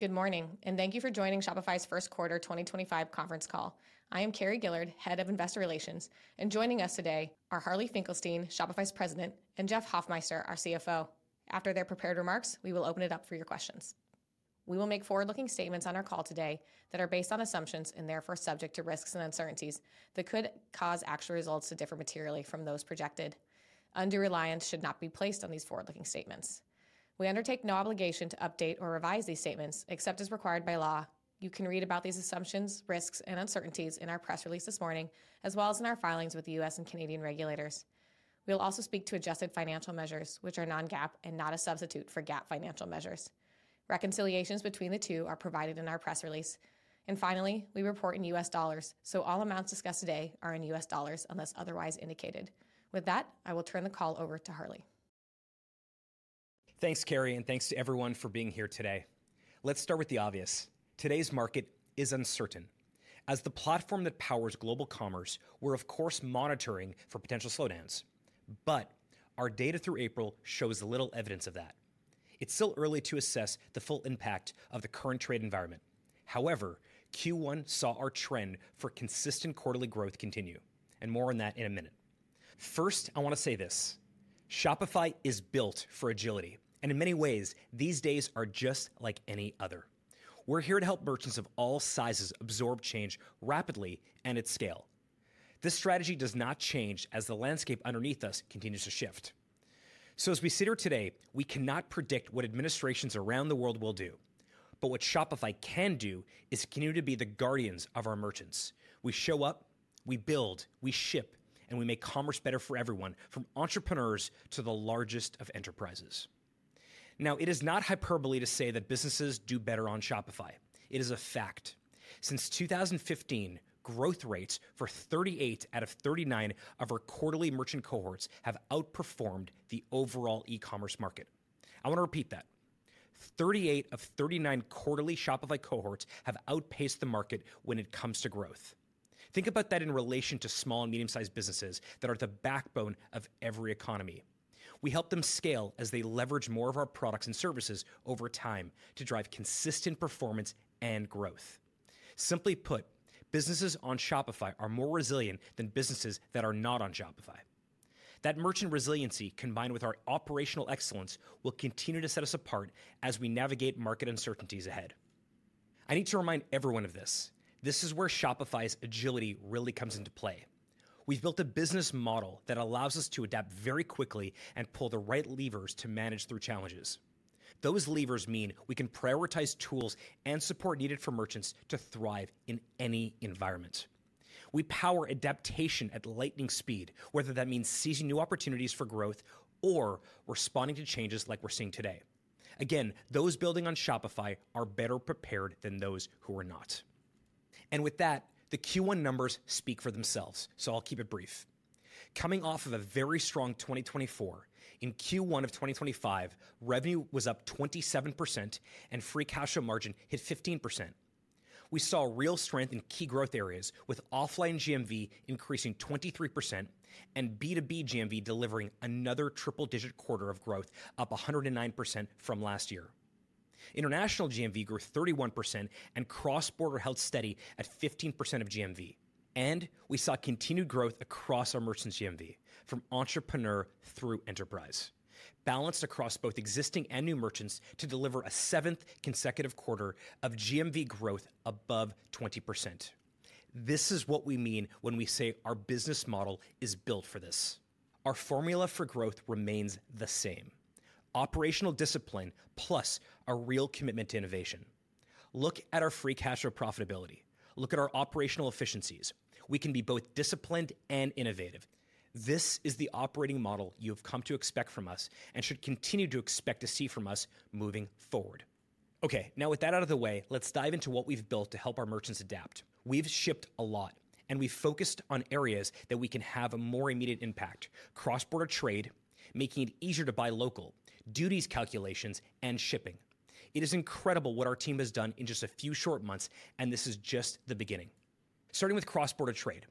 Good morning, and thank you for joining Shopify's Q1 2025 Conference Call. I am Carrie Gillard, Head of Investor Relations, and joining us today are Harley Finkelstein, Shopify's President, and Jeff Hoffmeister, our Chief Financial Officer. After their prepared remarks, we will open it up for your questions. We will make forward-looking statements on our call today that are based on assumptions and therefore subject to risks and uncertainties that could cause actual results to differ materially from those projected. Undue reliance should not be placed on these forward-looking statements. We undertake no obligation to update or revise these statements except as required by law. You can read about these assumptions, risks, and uncertainties in our press release this morning, as well as in our filings with the U.S. and Canadian regulators. We'll also speak to adjusted financial measures, which are non-GAAP and not a substitute for GAAP financial measures. Reconciliations between the two are provided in our press release. And finally, we report in U.S. dollars, so all amounts discussed today are in U.S. dollars unless otherwise indicated. With that, I will turn the call over to Harley. Thanks, Carrie, and thanks to everyone for being here today. Let's start with the obvious. Today's market is uncertain. As the platform that powers global commerce, we're, of course, monitoring for potential slowdowns. But our data through April shows little evidence of that. It's still early to assess the full impact of the current trade environment. However, Q1 saw our trend for consistent quarterly growth continue, and more on that in a minute. First, I want to say this: Shopify is built for agility, and in many ways, these days are just like any other. We're here to help merchants of all sizes absorb change rapidly and at scale. This strategy does not change as the landscape underneath us continues to shift. So, as we sit here today, we cannot predict what administrations around the world will do. But what Shopify can do is continue to be the guardians of our merchants. We show up, we build, we ship, and we make commerce better for everyone, from entrepreneurs to the largest of enterprises. Now, it is not hyperbole to say that businesses do better on Shopify. It is a fact. Since 2015, growth rates for 38 out of 39 of our quarterly merchant cohorts have outperformed the overall e-commerce market. I want to repeat that: 38 of 39 quarterly Shopify cohorts have outpaced the market when it comes to growth. Think about that in relation to small and medium-sized businesses that are the backbone of every economy. We help them scale as they leverage more of our products and services over time to drive consistent performance and growth. Simply put, businesses on Shopify are more resilient than businesses that are not on Shopify. That merchant resiliency, combined with our operational excellence, will continue to set us apart as we navigate market uncertainties ahead. I need to remind everyone of this: this is where Shopify's agility really comes into play. We've built a business model that allows us to adapt very quickly and pull the right levers to manage through challenges. Those levers mean we can prioritize tools and support needed for merchants to thrive in any environment. We power adaptation at lightning speed, whether that means seizing new opportunities for growth or responding to changes like we're seeing today. Again, those building on Shopify are better prepared than those who are not. And with that, the Q1 numbers speak for themselves, so I'll keep it brief. Coming off of a very strong 2024, in Q1 of 2025, revenue was up 27%, and free cash flow margin hit 15%. We saw real strength in key growth areas, with offline GMV increasing 23% and B2B GMV delivering another triple-digit quarter of growth, up 109% from last year. International GMV grew 31%, and cross-border held steady at 15% of GMV, and we saw continued growth across our merchants' GMV, from entrepreneur through enterprise, balanced across both existing and new merchants to deliver a seventh consecutive quarter of GMV growth above 20%. This is what we mean when we say our business model is built for this. Our formula for growth remains the same: operational discipline plus a real commitment to innovation. Look at our free cash flow profitability. Look at our operational efficiencies. We can be both disciplined and innovative. This is the operating model you have come to expect from us and should continue to expect to see from us moving forward. Okay, now with that out of the way, let's dive into what we've built to help our merchants adapt. We've shipped a lot, and we've focused on areas that we can have a more immediate impact: cross-border trade, making it easier to buy local, duties calculations, and shipping. It is incredible what our team has done in just a few short months, and this is just the beginning. Starting with cross-border trade,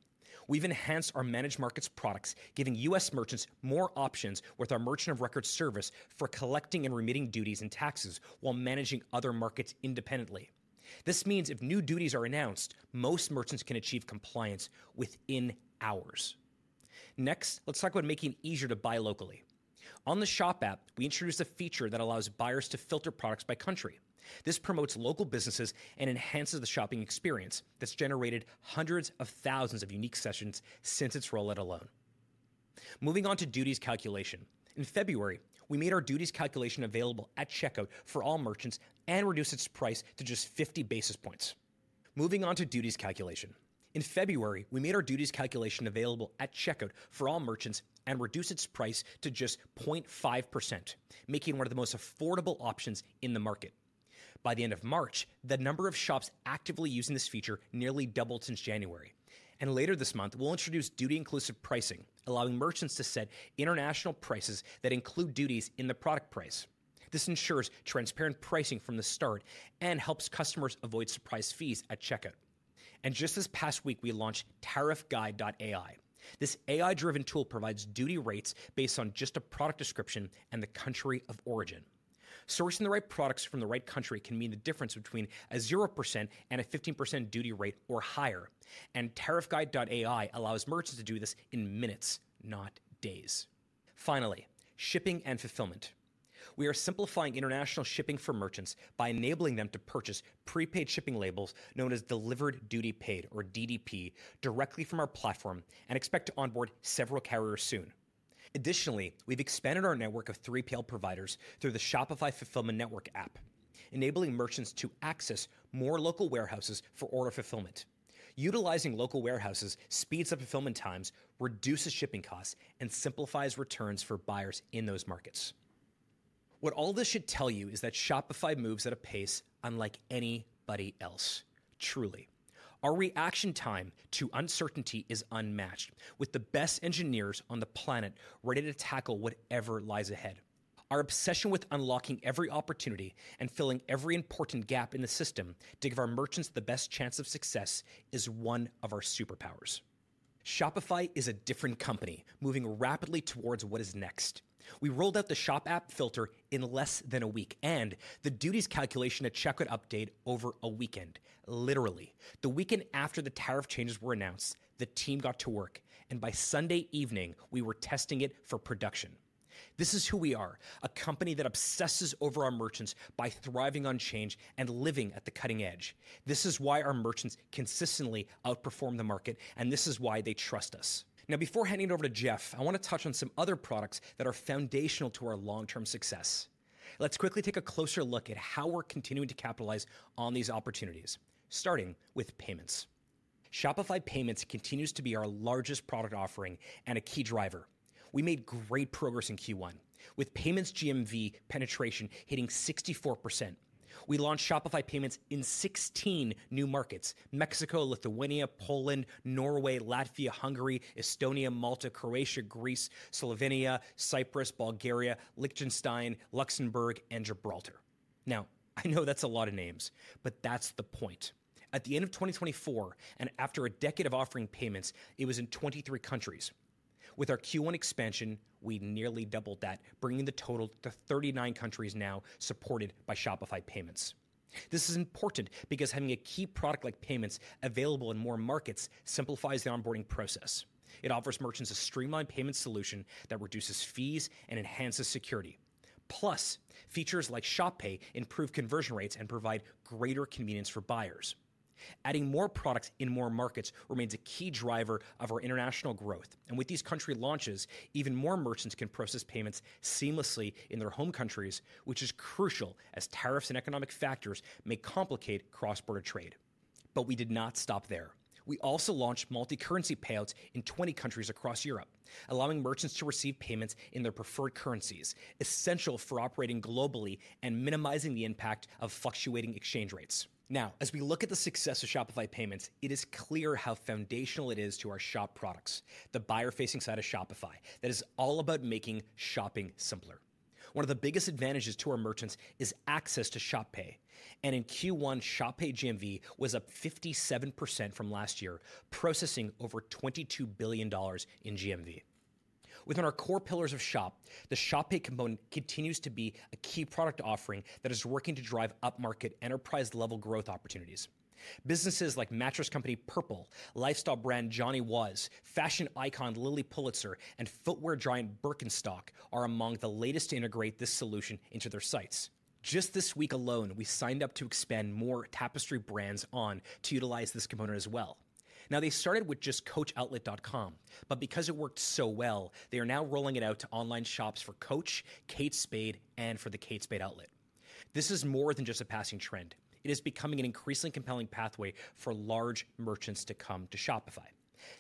we've enhanced our Managed Markets products, giving U.S. merchants more options with our Merchant of Record service for collecting and remitting duties and taxes while managing other markets independently. This means if new duties are announced, most merchants can achieve compliance within hours. Next, let's talk about making it easier to buy locally. On the Shop App, we introduced a feature that allows buyers to filter products by country. This promotes local businesses and enhances the shopping experience that's generated hundreds of thousands of unique sessions since its rollout alone. Moving on to duties calculation. In February, we made our duties calculation available at checkout for all merchants and reduced its price to just 0.5%, making it one of the most affordable options in the market. By the end of March, the number of shops actively using this feature nearly doubled since January. Later this month, we'll introduce duty-inclusive pricing, allowing merchants to set international prices that include duties in the product price. This ensures transparent pricing from the start and helps customers avoid surprise fees at checkout. Just this past week, we launched TariffGuide.ai. This AI-driven tool provides duty rates based on just a product description and the country of origin. Sourcing the right products from the right country can mean the difference between a 0% and a 15% duty rate or higher, and TariffGuide.ai allows merchants to do this in minutes, not days. Finally, shipping and fulfillment. We are simplifying international shipping for merchants by enabling them to purchase prepaid shipping labels known as Delivered Duty Paid, or DDP, directly from our platform and expect to onboard several carriers soon. Additionally, we've expanded our network of 3PL providers through the Shopify Fulfillment Network app, enabling merchants to access more local warehouses for order fulfillment. Utilizing local warehouses speeds up fulfillment times, reduces shipping costs, and simplifies returns for buyers in those markets. What all this should tell you is that Shopify moves at a pace unlike anybody else, truly. Our reaction time to uncertainty is unmatched, with the best engineers on the planet ready to tackle whatever lies ahead. Our obsession with unlocking every opportunity and filling every important gap in the system to give our merchants the best chance of success is one of our superpowers. Shopify is a different company, moving rapidly towards what is next. We rolled out the Shop App filter in less than a week, and the duties calculation at checkout update over a weekend, literally. The weekend after the tariff changes were announced, the team got to work, and by Sunday evening, we were testing it for production. This is who we are, a company that obsesses over our merchants by thriving on change and living at the cutting edge. This is why our merchants consistently outperform the market, and this is why they trust us. Now, before handing it over to Jeff, I want to touch on some other products that are foundational to our long-term success. Let's quickly take a closer look at how we're continuing to capitalize on these opportunities, starting with payments. Shopify Payments continues to be our largest product offering and a key driver. We made great progress in Q1, with payments GMV penetration hitting 64%. We launched Shopify Payments in 16 new markets: Mexico, Lithuania, Poland, Norway, Latvia, Hungary, Estonia, Malta, Croatia, Greece, Slovenia, Cyprus, Bulgaria, Liechtenstein, Luxembourg, and Gibraltar. Now, I know that's a lot of names, but that's the point. At the end of 2024, and after a decade of offering payments, it was in 23 countries. With our Q1 expansion, we nearly doubled that, bringing the total to 39 countries now supported by Shopify Payments. This is important because having a key product like payments available in more markets simplifies the onboarding process. It offers merchants a streamlined payment solution that reduces fees and enhances security. Plus, features like Shop Pay improve conversion rates and provide greater convenience for buyers. Adding more products in more markets remains a key driver of our international growth, and with these country launches, even more merchants can process payments seamlessly in their home countries, which is crucial as tariffs and economic factors may complicate cross-border trade, but we did not stop there. We also launched multi-currency payouts in 20 countries across Europe, allowing merchants to receive payments in their preferred currencies, essential for operating globally and minimizing the impact of fluctuating exchange rates. Now, as we look at the success of Shopify Payments, it is clear how foundational it is to our Shop products, the buyer-facing side of Shopify that is all about making shopping simpler. One of the biggest advantages to our merchants is access to Shop Pay. And in Q1, Shop Pay GMV was up 57% from last year, processing over $22 billion in GMV. Within our core pillars of Shop, the Shop Pay component continues to be a key product offering that is working to drive upmarket enterprise-level growth opportunities. Businesses like mattress company Purple, lifestyle brand Johnny Was, fashion icon Lilly Pulitzer, and footwear giant Birkenstock are among the latest to integrate this solution into their sites. Just this week alone, we signed up to expand more Tapestry brands on to utilize this component as well. Now, they started with just coachoutlet.com, but because it worked so well, they are now rolling it out to online shops for Coach, Kate Spade, and for the Kate Spade outlet. This is more than just a passing trend. It is becoming an increasingly compelling pathway for large merchants to come to Shopify.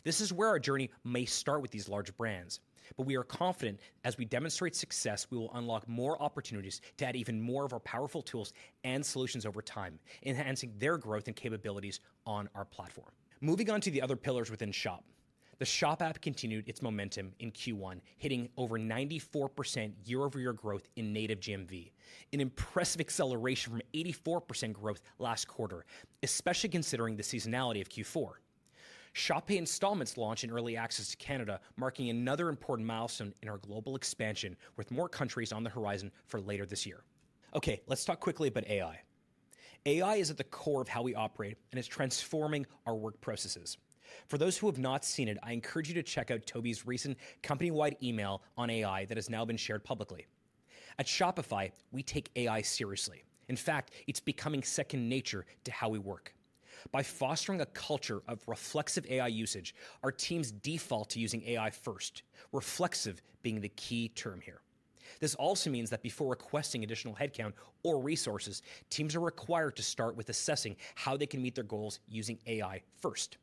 This is where our journey may start with these large brands. But we are confident as we demonstrate success, we will unlock more opportunities to add even more of our powerful tools and solutions over time, enhancing their growth and capabilities on our platform. Moving on to the other pillars within Shop, the Shop App continued its momentum in Q1, hitting over 94% year-over-year growth in native GMV, an impressive acceleration from 84% growth last quarter, especially considering the seasonality of Q4. Pay Installments launched in early access to Canada, marking another important milestone in our global expansion with more countries on the horizon for later this year. Okay, let's talk quickly about AI. AI is at the core of how we operate and is transforming our work processes. For those who have not seen it, I encourage you to check out Tobi's recent company-wide email on AI that has now been shared publicly. At Shopify, we take AI seriously. In fact, it's becoming second nature to how we work. By fostering a culture of reflexive AI usage, our teams default to using AI first, reflexive being the key term here. This also means that before requesting additional headcount or resources, teams are required to start with assessing how they can meet their goals using AI first.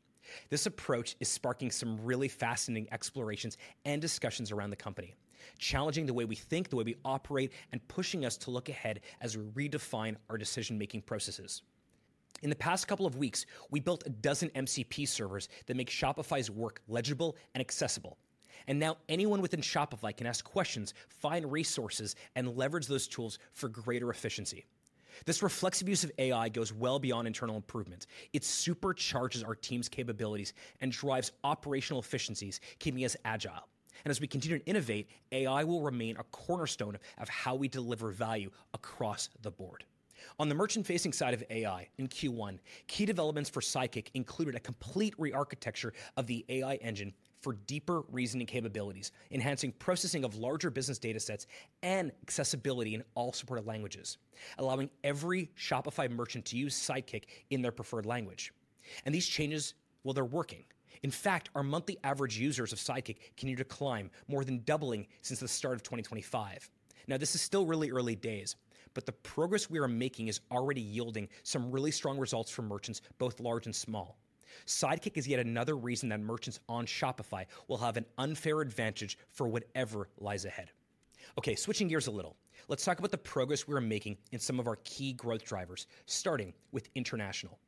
This approach is sparking some really fascinating explorations and discussions around the company, challenging the way we think, the way we operate, and pushing us to look ahead as we redefine our decision-making processes. In the past couple of weeks, we built a dozen MCP servers that make Shopify's work legible and accessible. And now anyone within Shopify can ask questions, find resources, and leverage those tools for greater efficiency. This reflexive use of AI goes well beyond internal improvement. It supercharges our team's capabilities and drives operational efficiencies, keeping us agile. And as we continue to innovate, AI will remain a cornerstone of how we deliver value across the board. On the merchant-facing side of AI in Q1, key developments for Sidekick included a complete re-architecture of the AI engine for deeper reasoning capabilities, enhancing processing of larger business data sets and accessibility in all supported languages, allowing every Shopify merchant to use Sidekick in their preferred language, and these changes, well, they're working. In fact, our monthly average users of Sidekick continue to climb, more than doubling since the start of 2025. Now, this is still really early days, but the progress we are making is already yielding some really strong results for merchants, both large and small. Sidekick is yet another reason that merchants on Shopify will have an unfair advantage for whatever lies ahead. Okay, switching gears a little, let's talk about the progress we are making in some of our key growth drivers, starting with international.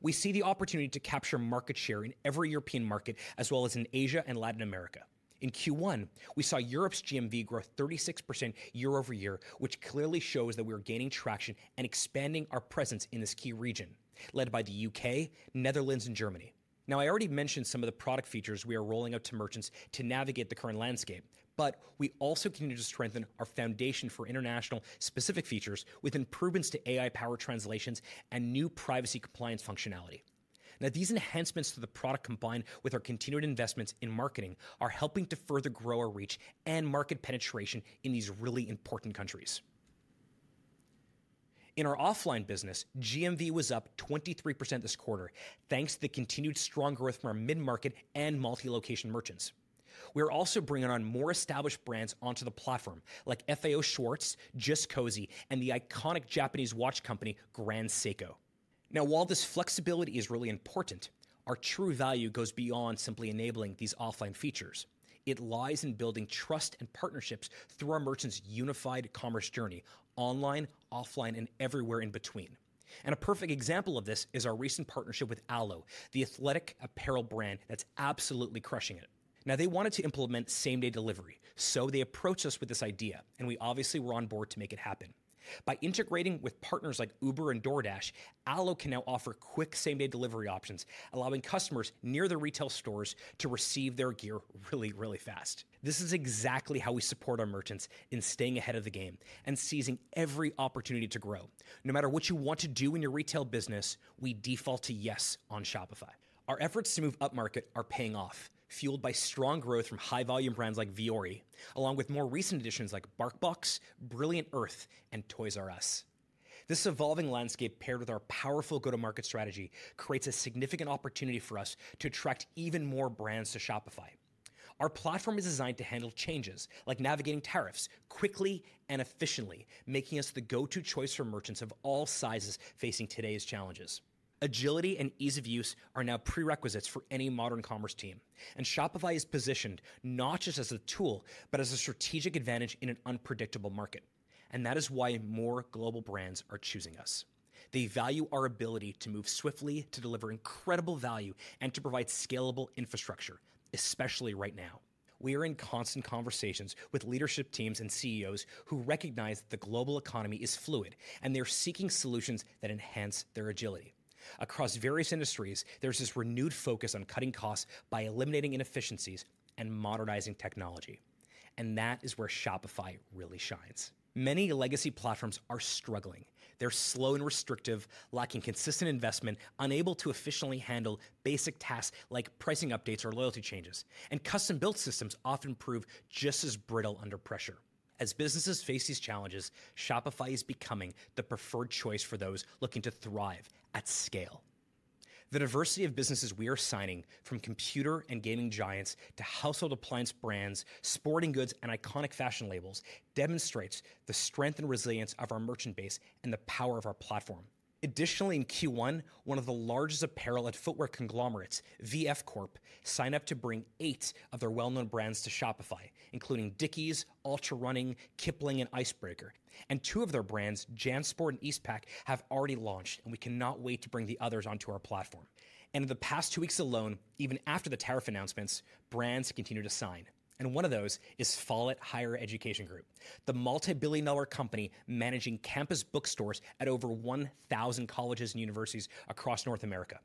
We see the opportunity to capture market share in every European market, as well as in Asia and Latin America. In Q1, we saw Europe's GMV grow 36% year-over-year, which clearly shows that we are gaining traction and expanding our presence in this key region, led by the U.K., Netherlands, and Germany. Now, I already mentioned some of the product features we are rolling out to merchants to navigate the current landscape, but we also continue to strengthen our foundation for international-specific features with improvements to AI-powered translations and new privacy compliance functionality. Now, these enhancements to the product, combined with our continued investments in marketing, are helping to further grow our reach and market penetration in these really important countries. In our offline business, GMV was up 23% this quarter, thanks to the continued strong growth from our mid-market and multi-location merchants. We are also bringing on more established brands onto the platform, like FAO Schwarz, Just Cozy, and the iconic Japanese watch company, Grand Seiko. Now, while this flexibility is really important, our true value goes beyond simply enabling these offline features. It lies in building trust and partnerships through our merchants' unified commerce journey, online, offline, and everywhere in between. And a perfect example of this is our recent partnership with Alo, the athletic apparel brand that's absolutely crushing it. Now, they wanted to implement same-day delivery, so they approached us with this idea, and we obviously were on board to make it happen. By integrating with partners like Uber and DoorDash, Alo can now offer quick same-day delivery options, allowing customers near the retail stores to receive their gear really, really fast. This is exactly how we support our merchants in staying ahead of the game and seizing every opportunity to grow. No matter what you want to do in your retail business, we default to yes on Shopify. Our efforts to move upmarket are paying off, fueled by strong growth from high-volume brands like Vuori, along with more recent additions like BarkBox, Brilliant Earth, and Toys "R" Us. This evolving landscape, paired with our powerful go-to-market strategy, creates a significant opportunity for us to attract even more brands to Shopify. Our platform is designed to handle changes like navigating tariffs quickly and efficiently, making us the go-to choice for merchants of all sizes facing today's challenges. Agility and ease of use are now prerequisites for any modern commerce team, and Shopify is positioned not just as a tool, but as a strategic advantage in an unpredictable market. That is why more global brands are choosing us. They value our ability to move swiftly, to deliver incredible value, and to provide scalable infrastructure, especially right now. We are in constant conversations with leadership teams and CEOs who recognize that the global economy is fluid, and they're seeking solutions that enhance their agility. Across various industries, there's this renewed focus on cutting costs by eliminating inefficiencies and modernizing technology. That is where Shopify really shines. Many legacy platforms are struggling. They're slow and restrictive, lacking consistent investment, unable to efficiently handle basic tasks like pricing updates or loyalty changes. Custom-built systems often prove just as brittle under pressure. As businesses face these challenges, Shopify is becoming the preferred choice for those looking to thrive at scale. The diversity of businesses we are signing, from computer and gaming giants to household appliance brands, sporting goods, and iconic fashion labels, demonstrates the strength and resilience of our merchant base and the power of our platform. Additionally, in Q1, one of the largest apparel and footwear conglomerates, VF Corp, signed up to bring eight of their well-known brands to Shopify, including Dickies, Altra Running, Kipling, and Icebreaker, and two of their brands, JanSport and Eastpak, have already launched, and we cannot wait to bring the others onto our platform, and in the past two weeks alone, even after the tariff announcements, brands continue to sign, and one of those is Follett Higher Education Group, the multi-billion-dollar company managing campus bookstores at over 1,000 colleges and universities across North America.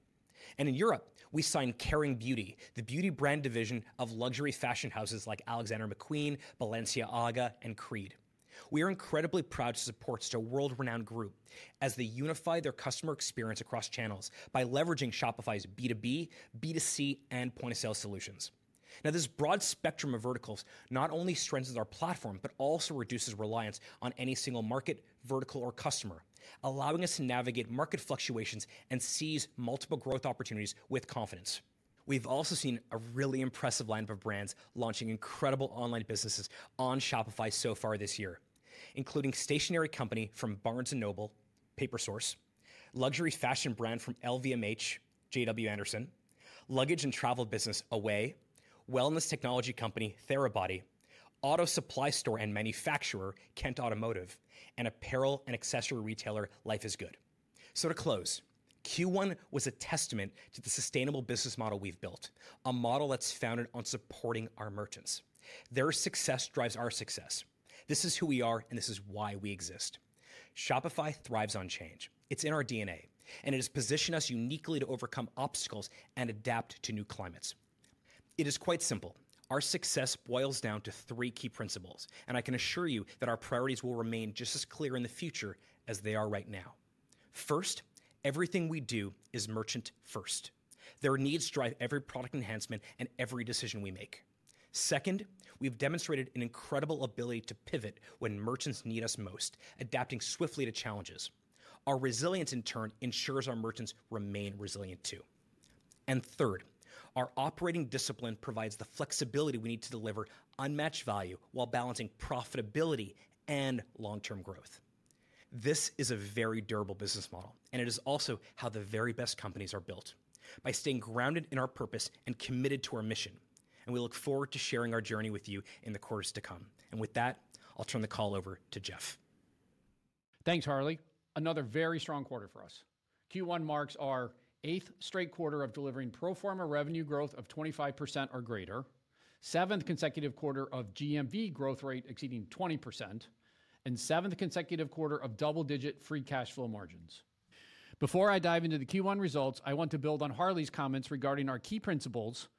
In Europe, we signed Kering Beauty, the beauty brand division of luxury fashion houses like Alexander McQueen, Balenciaga, and Creed. We are incredibly proud to support such a world-renowned group as they unify their customer experience across channels by leveraging Shopify's B2B, B2C, and point-of-sale solutions. Now, this broad spectrum of verticals not only strengthens our platform, but also reduces reliance on any single market, vertical, or customer, allowing us to navigate market fluctuations and seize multiple growth opportunities with confidence. We've also seen a really impressive lineup of brands launching incredible online businesses on Shopify so far this year, including a stationery company from Barnes & Noble, Paper Source, a luxury fashion brand from LVMH, JW Anderson, a luggage and travel business, Away, a wellness technology company, Therabody, an auto supply store and manufacturer, Kent Automotive, and an apparel and accessory retailer, Life is Good. So to close, Q1 was a testament to the sustainable business model we've built, a model that's founded on supporting our merchants. Their success drives our success. This is who we are, and this is why we exist. Shopify thrives on change. It's in our DNA, and it has positioned us uniquely to overcome obstacles and adapt to new climates. It is quite simple. Our success boils down to three key principles, and I can assure you that our priorities will remain just as clear in the future as they are right now. First, everything we do is merchant-first. Their needs drive every product enhancement and every decision we make. Second, we've demonstrated an incredible ability to pivot when merchants need us most, adapting swiftly to challenges. Our resilience, in turn, ensures our merchants remain resilient too. And third, our operating discipline provides the flexibility we need to deliver unmatched value while balancing profitability and long-term growth. This is a very durable business model, and it is also how the very best companies are built, by staying grounded in our purpose and committed to our mission. And we look forward to sharing our journey with you in the quarters to come. And with that, I'll turn the call over to Jeff. Thanks, Harley. Another very strong quarter for us. Q1 marks our eighth straight quarter of delivering pro forma revenue growth of 25% or greater, the seventh consecutive quarter of GMV growth rate exceeding 20%, and the seventh consecutive quarter of double-digit free cash flow margins. Before I dive into the Q1 results, I want to build on Harley's comments regarding our key principles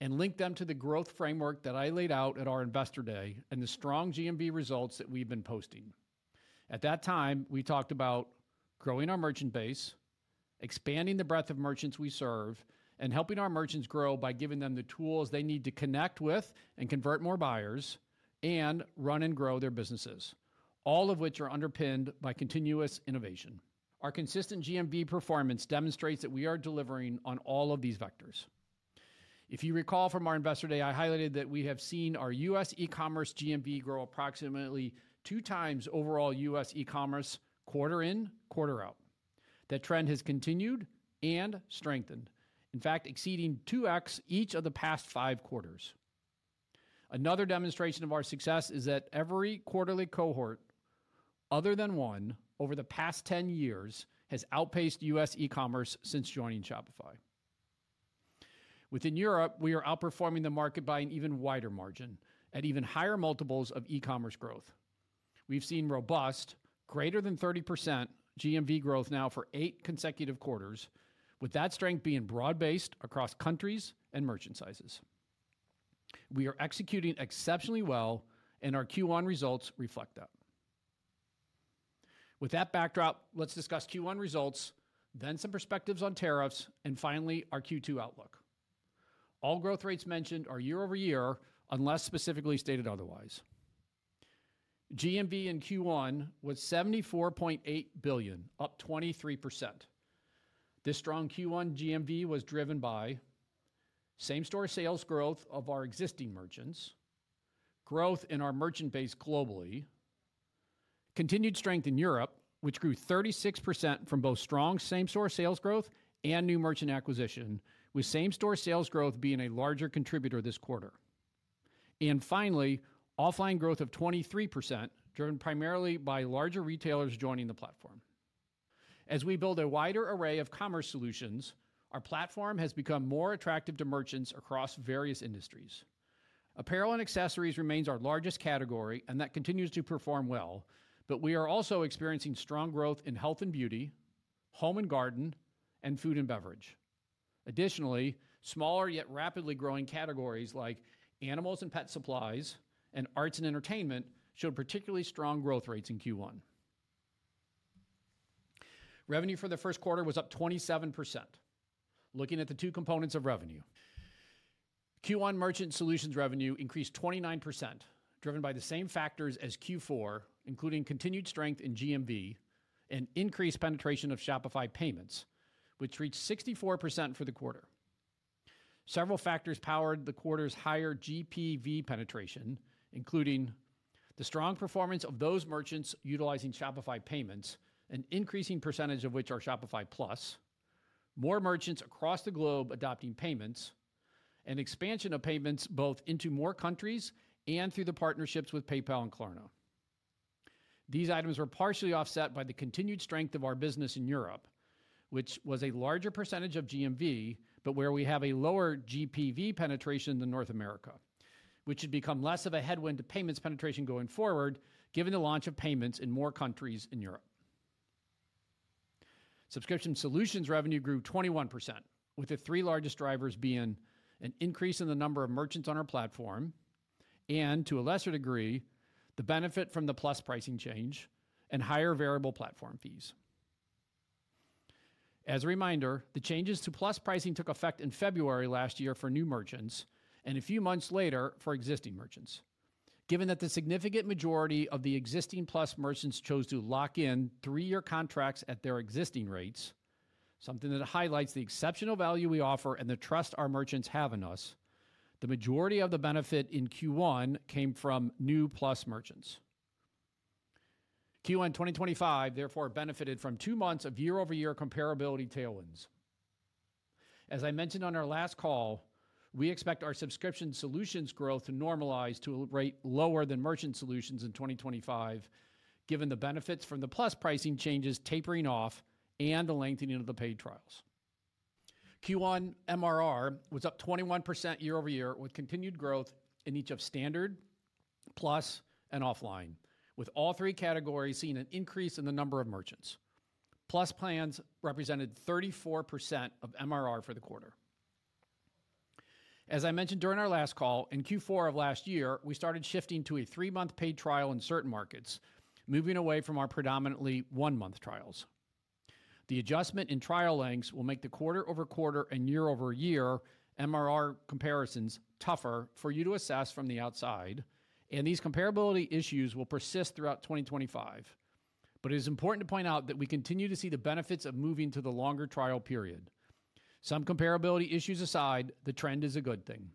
and link them to the growth framework that I laid out at our investor day and the strong GMV results that we've been posting. At that time, we talked about growing our merchant base, expanding the breadth of merchants we serve, and helping our merchants grow by giving them the tools they need to connect with and convert more buyers and run and grow their businesses, all of which are underpinned by continuous innovation. Our consistent GMV performance demonstrates that we are delivering on all of these vectors. If you recall from our investor day, I highlighted that we have seen our U.S. e-commerce GMV grow approximately two times overall U.S. e-commerce quarter in, quarter out. That trend has continued and strengthened, in fact, exceeding 2x each of the past five quarters. Another demonstration of our success is that every quarterly cohort, other than one, over the past 10 years has outpaced U.S. e-commerce since joining Shopify. Within Europe, we are outperforming the market by an even wider margin at even higher multiples of e-commerce growth. We've seen robust, greater than 30% GMV growth now for eight consecutive quarters, with that strength being broad-based across countries and merchant sizes. We are executing exceptionally well, and our Q1 results reflect that. With that backdrop, let's discuss Q1 results, then some perspectives on tariffs, and finally, our Q2 outlook. All growth rates mentioned are year-over-year, unless specifically stated otherwise. GMV in Q1 was $74.8 billion, up 23%. This strong Q1 GMV was driven by same-store sales growth of our existing merchants, growth in our merchant base globally, continued strength in Europe, which grew 36% from both strong same-store sales growth and new merchant acquisition, with same-store sales growth being a larger contributor this quarter. And finally, offline growth of 23%, driven primarily by larger retailers joining the platform. As we build a wider array of commerce solutions, our platform has become more attractive to merchants across various industries. Apparel and accessories remains our largest category, and that continues to perform well, but we are also experiencing strong growth in health and beauty, home and garden, and food and beverage. Additionally, smaller yet rapidly growing categories like animals and pet supplies and arts and entertainment showed particularly strong growth rates in Q1. Revenue for the first quarter was up 27%. Looking at the two components of revenue, Q1 merchant solutions revenue increased 29%, driven by the same factors as Q4, including continued strength in GMV and increased penetration of Shopify Payments, which reached 64% for the quarter. Several factors powered the quarter's higher GPV penetration, including the strong performance of those merchants utilizing Shopify Payments, an increasing percentage of which are Shopify Plus, more merchants across the globe adopting payments, and expansion of payments both into more countries and through the partnerships with PayPal and Klarna. These items were partially offset by the continued strength of our business in Europe, which was a larger percentage of GMV, but where we have a lower GPV penetration than North America, which should become less of a headwind to payments penetration going forward, given the launch of payments in more countries in Europe. Subscription solutions revenue grew 21%, with the three largest drivers being an increase in the number of merchants on our platform and, to a lesser degree, the benefit from the Plus pricing change and higher variable platform fees. As a reminder, the changes to Plus pricing took effect in February last year for new merchants and a few months later for existing merchants. Given that the significant majority of the existing Plus merchants chose to lock in three-year contracts at their existing rates, something that highlights the exceptional value we offer and the trust our merchants have in us, the majority of the benefit in Q1 came from new Plus merchants. Q1 2025, therefore, benefited from two months of year-over-year comparability tailwinds. As I mentioned on our last call, we expect our subscription solutions growth to normalize to a rate lower than merchant solutions in 2025, given the benefits from the Plus pricing changes tapering off and the lengthening of the paid trials. Q1 MRR was up 21% year-over-year, with continued growth in each of standard, Plus, and offline, with all three categories seeing an increase in the number of merchants. Plus plans represented 34% of MRR for the quarter. As I mentioned during our last call, in Q4 of last year, we started shifting to a three-month paid trial in certain markets, moving away from our predominantly one-month trials. The adjustment in trial lengths will make the quarter-over-quarter and year-over-year MRR comparisons tougher for you to assess from the outside, and these comparability issues will persist throughout 2025. But it is important to point out that we continue to see the benefits of moving to the longer trial period. Some comparability issues aside, the trend is a good thing.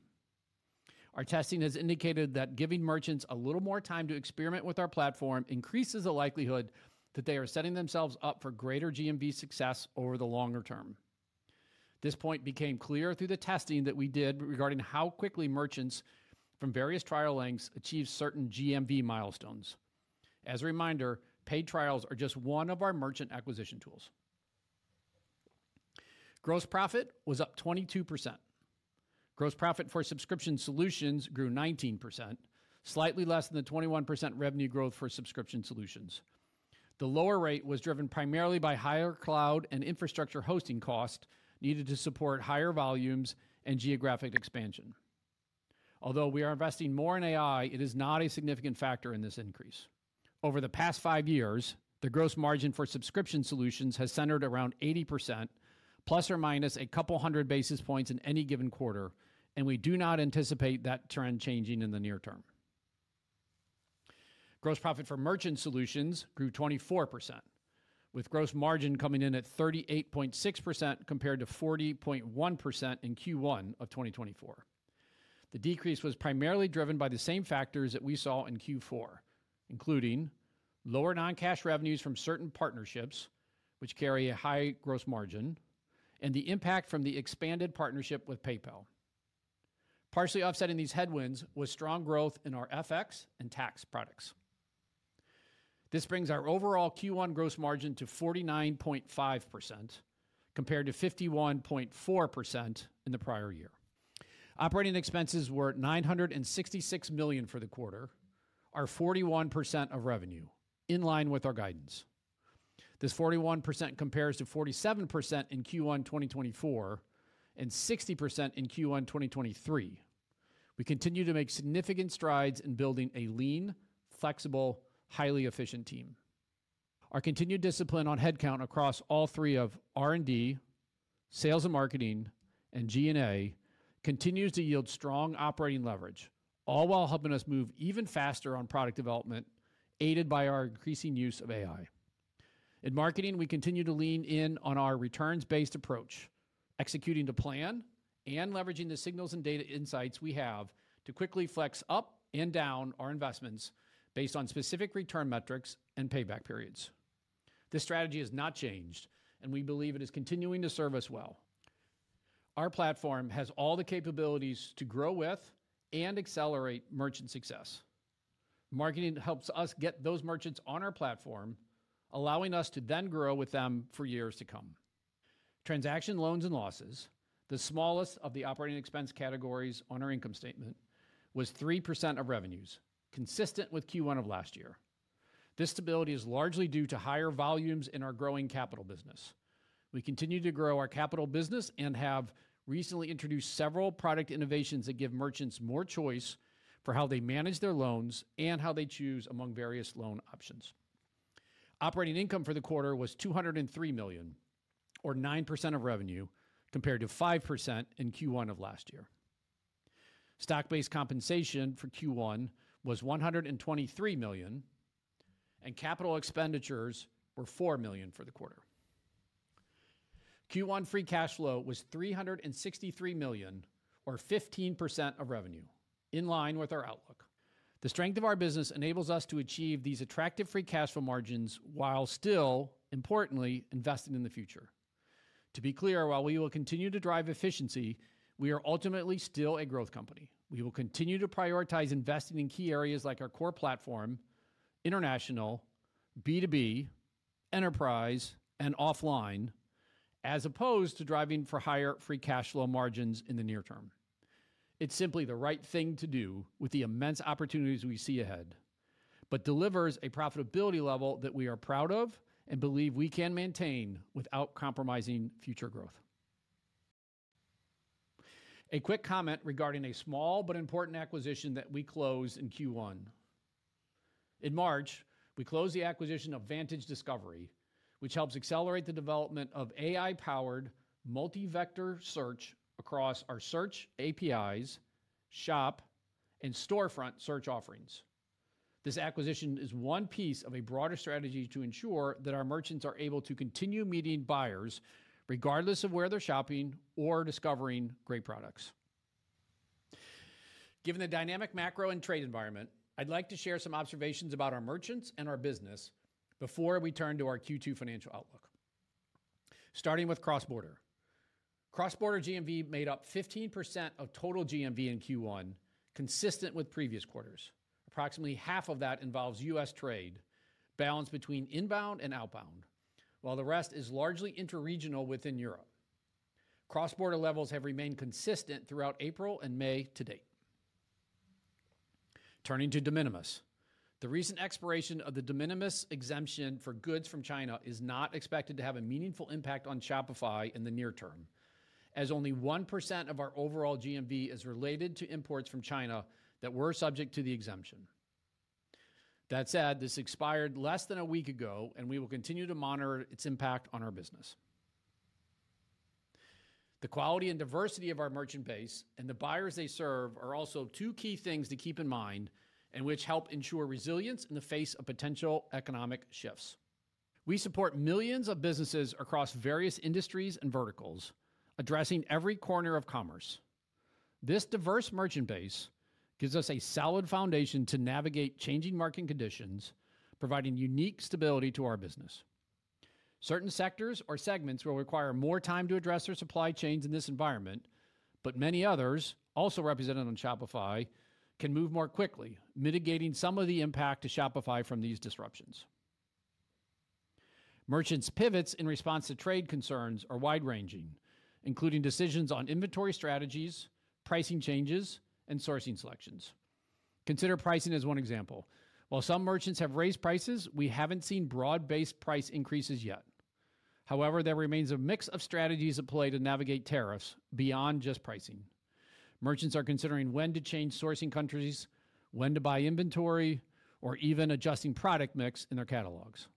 Our testing has indicated that giving merchants a little more time to experiment with our platform increases the likelihood that they are setting themselves up for greater GMV success over the longer term. This point became clear through the testing that we did regarding how quickly merchants from various trial lengths achieve certain GMV milestones. As a reminder, paid trials are just one of our merchant acquisition tools. Gross profit was up 22%. Gross profit for subscription solutions grew 19%, slightly less than the 21% revenue growth for subscription solutions. The lower rate was driven primarily by higher cloud and infrastructure hosting costs needed to support higher volumes and geographic expansion. Although we are investing more in AI, it is not a significant factor in this increase. Over the past five years, the gross margin for subscription solutions has centered around 80%, plus or minus a couple hundred basis points in any given quarter, and we do not anticipate that trend changing in the near term. Gross profit for merchant solutions grew 24%, with gross margin coming in at 38.6% compared to 40.1% in Q1 of 2024. The decrease was primarily driven by the same factors that we saw in Q4, including lower non-cash revenues from certain partnerships, which carry a high gross margin, and the impact from the expanded partnership with PayPal. Partially offsetting these headwinds was strong growth in our FX and tax products. This brings our overall Q1 gross margin to 49.5% compared to 51.4% in the prior year. Operating expenses were $966 million for the quarter, or 41% of revenue, in line with our guidance. This 41% compares to 47% in Q1 2024 and 60% in Q1 2023. We continue to make significant strides in building a lean, flexible, highly efficient team. Our continued discipline on headcount across all three of R&D, sales and marketing, and G&A continues to yield strong operating leverage, all while helping us move even faster on product development, aided by our increasing use of AI. In marketing, we continue to lean in on our returns-based approach, executing to plan and leveraging the signals and data insights we have to quickly flex up and down our investments based on specific return metrics and payback periods. This strategy has not changed, and we believe it is continuing to serve us well. Our platform has all the capabilities to grow with and accelerate merchant success. Marketing helps us get those merchants on our platform, allowing us to then grow with them for years to come. Transaction loans and losses, the smallest of the operating expense categories on our income statement, was 3% of revenues, consistent with Q1 of last year. This stability is largely due to higher volumes in our growing capital business. We continue to grow our capital business and have recently introduced several product innovations that give merchants more choice for how they manage their loans and how they choose among various loan options. Operating income for the quarter was $203 million, or 9% of revenue, compared to 5% in Q1 of last year. Stock-based compensation for Q1 was $123 million, and capital expenditures were $4 million for the quarter. Q1 free cash flow was $363 million, or 15% of revenue, in line with our outlook. The strength of our business enables us to achieve these attractive free cash flow margins while still, importantly, investing in the future. To be clear, while we will continue to drive efficiency, we are ultimately still a growth company. We will continue to prioritize investing in key areas like our core platform, international, B2B, enterprise, and offline, as opposed to driving for higher free cash flow margins in the near term. It's simply the right thing to do with the immense opportunities we see ahead, but delivers a profitability level that we are proud of and believe we can maintain without compromising future growth. A quick comment regarding a small but important acquisition that we closed in Q1. In March, we closed the acquisition of Vantage Discovery, which helps accelerate the development of AI-powered multi-vector search across our search APIs, shop, and storefront search offerings. This acquisition is one piece of a broader strategy to ensure that our merchants are able to continue meeting buyers regardless of where they're shopping or discovering great products. Given the dynamic macro and trade environment, I'd like to share some observations about our merchants and our business before we turn to our Q2 financial outlook. Starting with cross-border, cross-border GMV made up 15% of total GMV in Q1, consistent with previous quarters. Approximately half of that involves U.S. trade, balanced between inbound and outbound, while the rest is largely interregional within Europe. Cross-border levels have remained consistent throughout April and May to date. Turning to de minimis, the recent expiration of the de minimis exemption for goods from China is not expected to have a meaningful impact on Shopify in the near term, as only 1% of our overall GMV is related to imports from China that were subject to the exemption. That said, this expired less than a week ago, and we will continue to monitor its impact on our business. The quality and diversity of our merchant base and the buyers they serve are also two key things to keep in mind and which help ensure resilience in the face of potential economic shifts. We support millions of businesses across various industries and verticals, addressing every corner of commerce. This diverse merchant base gives us a solid foundation to navigate changing market conditions, providing unique stability to our business. Certain sectors or segments will require more time to address their supply chains in this environment, but many others, also represented on Shopify, can move more quickly, mitigating some of the impact to Shopify from these disruptions. Merchants' pivots in response to trade concerns are wide-ranging, including decisions on inventory strategies, pricing changes, and sourcing selections. Consider pricing as one example. While some merchants have raised prices, we haven't seen broad-based price increases yet. However, there remains a mix of strategies at play to navigate tariffs beyond just pricing. Merchants are considering when to change sourcing countries, when to buy inventory, or even adjusting product mix in their catalogs.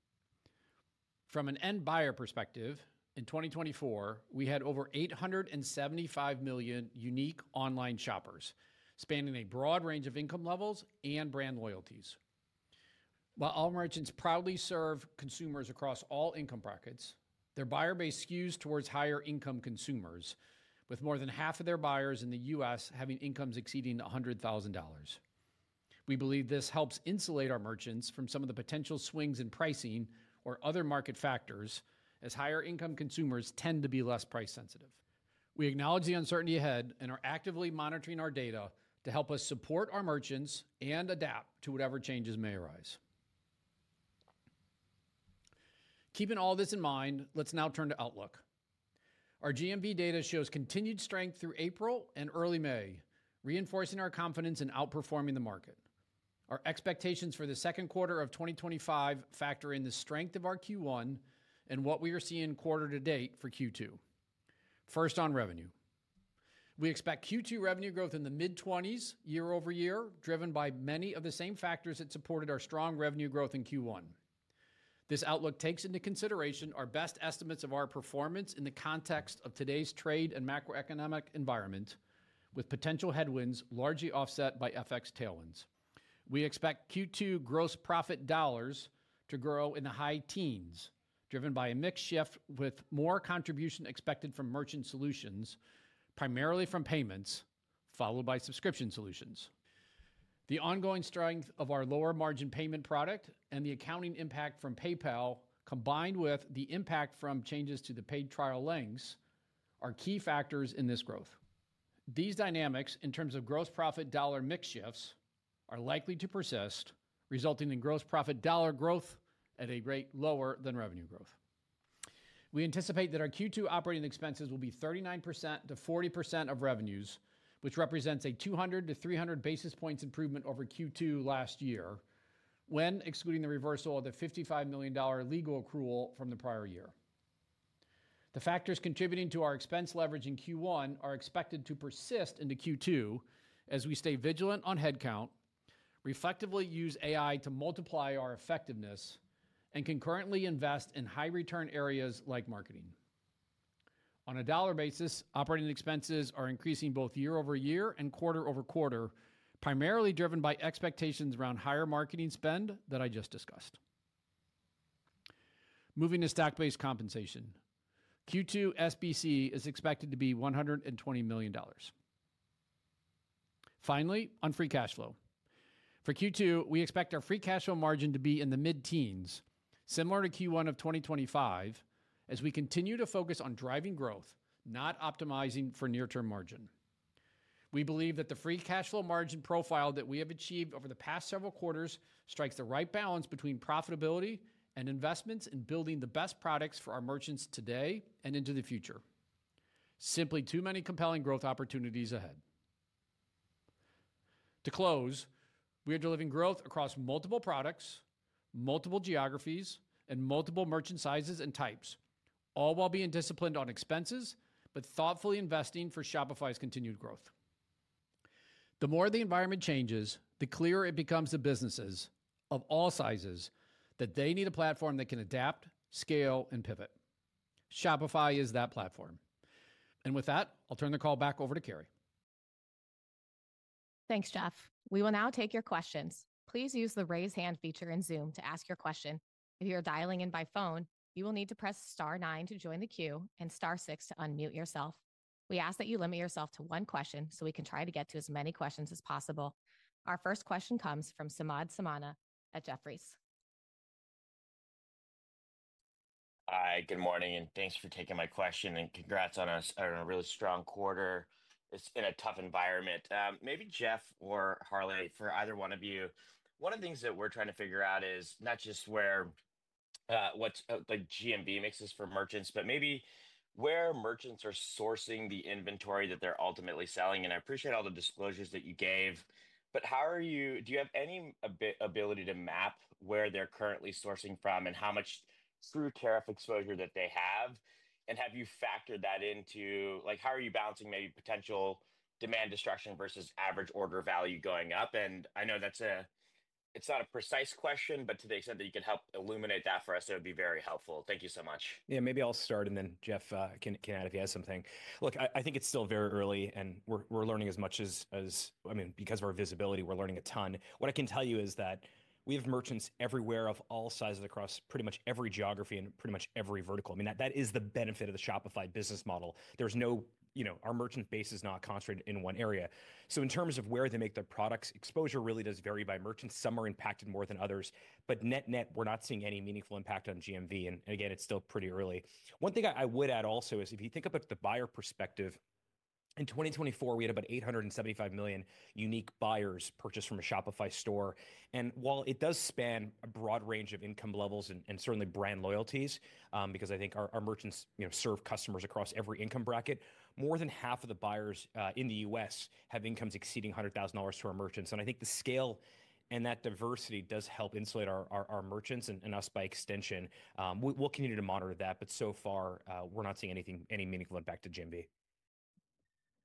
From an end buyer perspective, in 2024, we had over 875 million unique online shoppers, spanning a broad range of income levels and brand loyalties. While all merchants proudly serve consumers across all income brackets, their buyer base skews towards higher-income consumers, with more than half of their buyers in the U.S. having incomes exceeding $100,000. We believe this helps insulate our merchants from some of the potential swings in pricing or other market factors, as higher-income consumers tend to be less price-sensitive. We acknowledge the uncertainty ahead and are actively monitoring our data to help us support our merchants and adapt to whatever changes may arise. Keeping all this in mind, let's now turn to outlook. Our GMV data shows continued strength through April and early May, reinforcing our confidence in outperforming the market. Our expectations for the second quarter of 2025 factor in the strength of our Q1 and what we are seeing quarter to date for Q2. First, on revenue, we expect Q2 revenue growth in the mid-20s year-over-year, driven by many of the same factors that supported our strong revenue growth in Q1. This outlook takes into consideration our best estimates of our performance in the context of today's trade and macroeconomic environment, with potential headwinds largely offset by FX tailwinds. We expect Q2 gross profit dollars to grow in the high teens, driven by a mixed shift with more contribution expected from merchant solutions, primarily from payments, followed by subscription solutions. The ongoing strength of our lower-margin payment product and the accounting impact from PayPal, combined with the impact from changes to the paid trial lengths, are key factors in this growth. These dynamics, in terms of gross profit dollar mix shifts, are likely to persist, resulting in gross profit dollar growth at a rate lower than revenue growth. We anticipate that our Q2 operating expenses will be 39%-40% of revenues, which represents a 200-300 basis points improvement over Q2 last year, when excluding the reversal of the $55 million legal accrual from the prior year. The factors contributing to our expense leverage in Q1 are expected to persist into Q2 as we stay vigilant on headcount, reflectively use AI to multiply our effectiveness, and concurrently invest in high-return areas like marketing. On a dollar basis, operating expenses are increasing both year-over-year and quarter-over-quarter, primarily driven by expectations around higher marketing spend that I just discussed. Moving to stock-based compensation, Q2 SBC is expected to be $120 million. Finally, on free cash flow, for Q2, we expect our free cash flow margin to be in the mid-teens, similar to Q1 of 2025, as we continue to focus on driving growth, not optimizing for near-term margin. We believe that the free cash flow margin profile that we have achieved over the past several quarters strikes the right balance between profitability and investments in building the best products for our merchants today and into the future. Simply too many compelling growth opportunities ahead. To close, we are delivering growth across multiple products, multiple geographies, and multiple merchant sizes and types, all while being disciplined on expenses but thoughtfully investing for Shopify's continued growth. The more the environment changes, the clearer it becomes to businesses of all sizes that they need a platform that can adapt, scale, and pivot. Shopify is that platform. And with that, I'll turn the call back over to Carrie. Thanks, Jeff. We will now take your questions. Please use the raise hand feature in Zoom to ask your question. If you are dialing in by phone, you will need to press star nine to join the queue and star six to unmute yourself. We ask that you limit yourself to one question so we can try to get to as many questions as possible. Our first question comes from Samad Samana at Jefferies. Hi, good morning, and thanks for taking my question, and congrats on a really strong quarter. It's been a tough environment. Maybe, Jeff or Harley, for either one of you, one of the things that we're trying to figure out is not just what GMV mixes for merchants, but maybe where merchants are sourcing the inventory that they're ultimately selling, and I appreciate all the disclosures that you gave, but how are you, do you have any ability to map where they're currently sourcing from and how much through tariff exposure that they have? And have you factored that into, like, how are you balancing maybe potential demand destruction versus average order value going up? And I know that's a, it's not a precise question, but to the extent that you could help illuminate that for us, it would be very helpful. Thank you so much. Yeah, maybe I'll start, and then Jeff can add if he has something. Look, I think it's still very early, and we're learning as much as, I mean, because of our visibility, we're learning a ton. What I can tell you is that we have merchants everywhere of all sizes across pretty much every geography and pretty much every vertical. I mean, that is the benefit of the Shopify business model. There's no, our merchant base is not concentrated in one area. So in terms of where they make their products, exposure really does vary by merchant. Some are impacted more than others, but net net, we're not seeing any meaningful impact on GMV, and again, it's still pretty early. One thing I would add also is if you think about the buyer perspective, in 2024, we had about 875 million unique buyers purchase from a Shopify store. And while it does span a broad range of income levels and certainly brand loyalties, because I think our merchants serve customers across every income bracket, more than half of the buyers in the U.S. have incomes exceeding $100,000 to our merchants. And I think the scale and that diversity does help insulate our merchants and us by extension. We'll continue to monitor that, but so far, we're not seeing anything, any meaningful impact to GMV.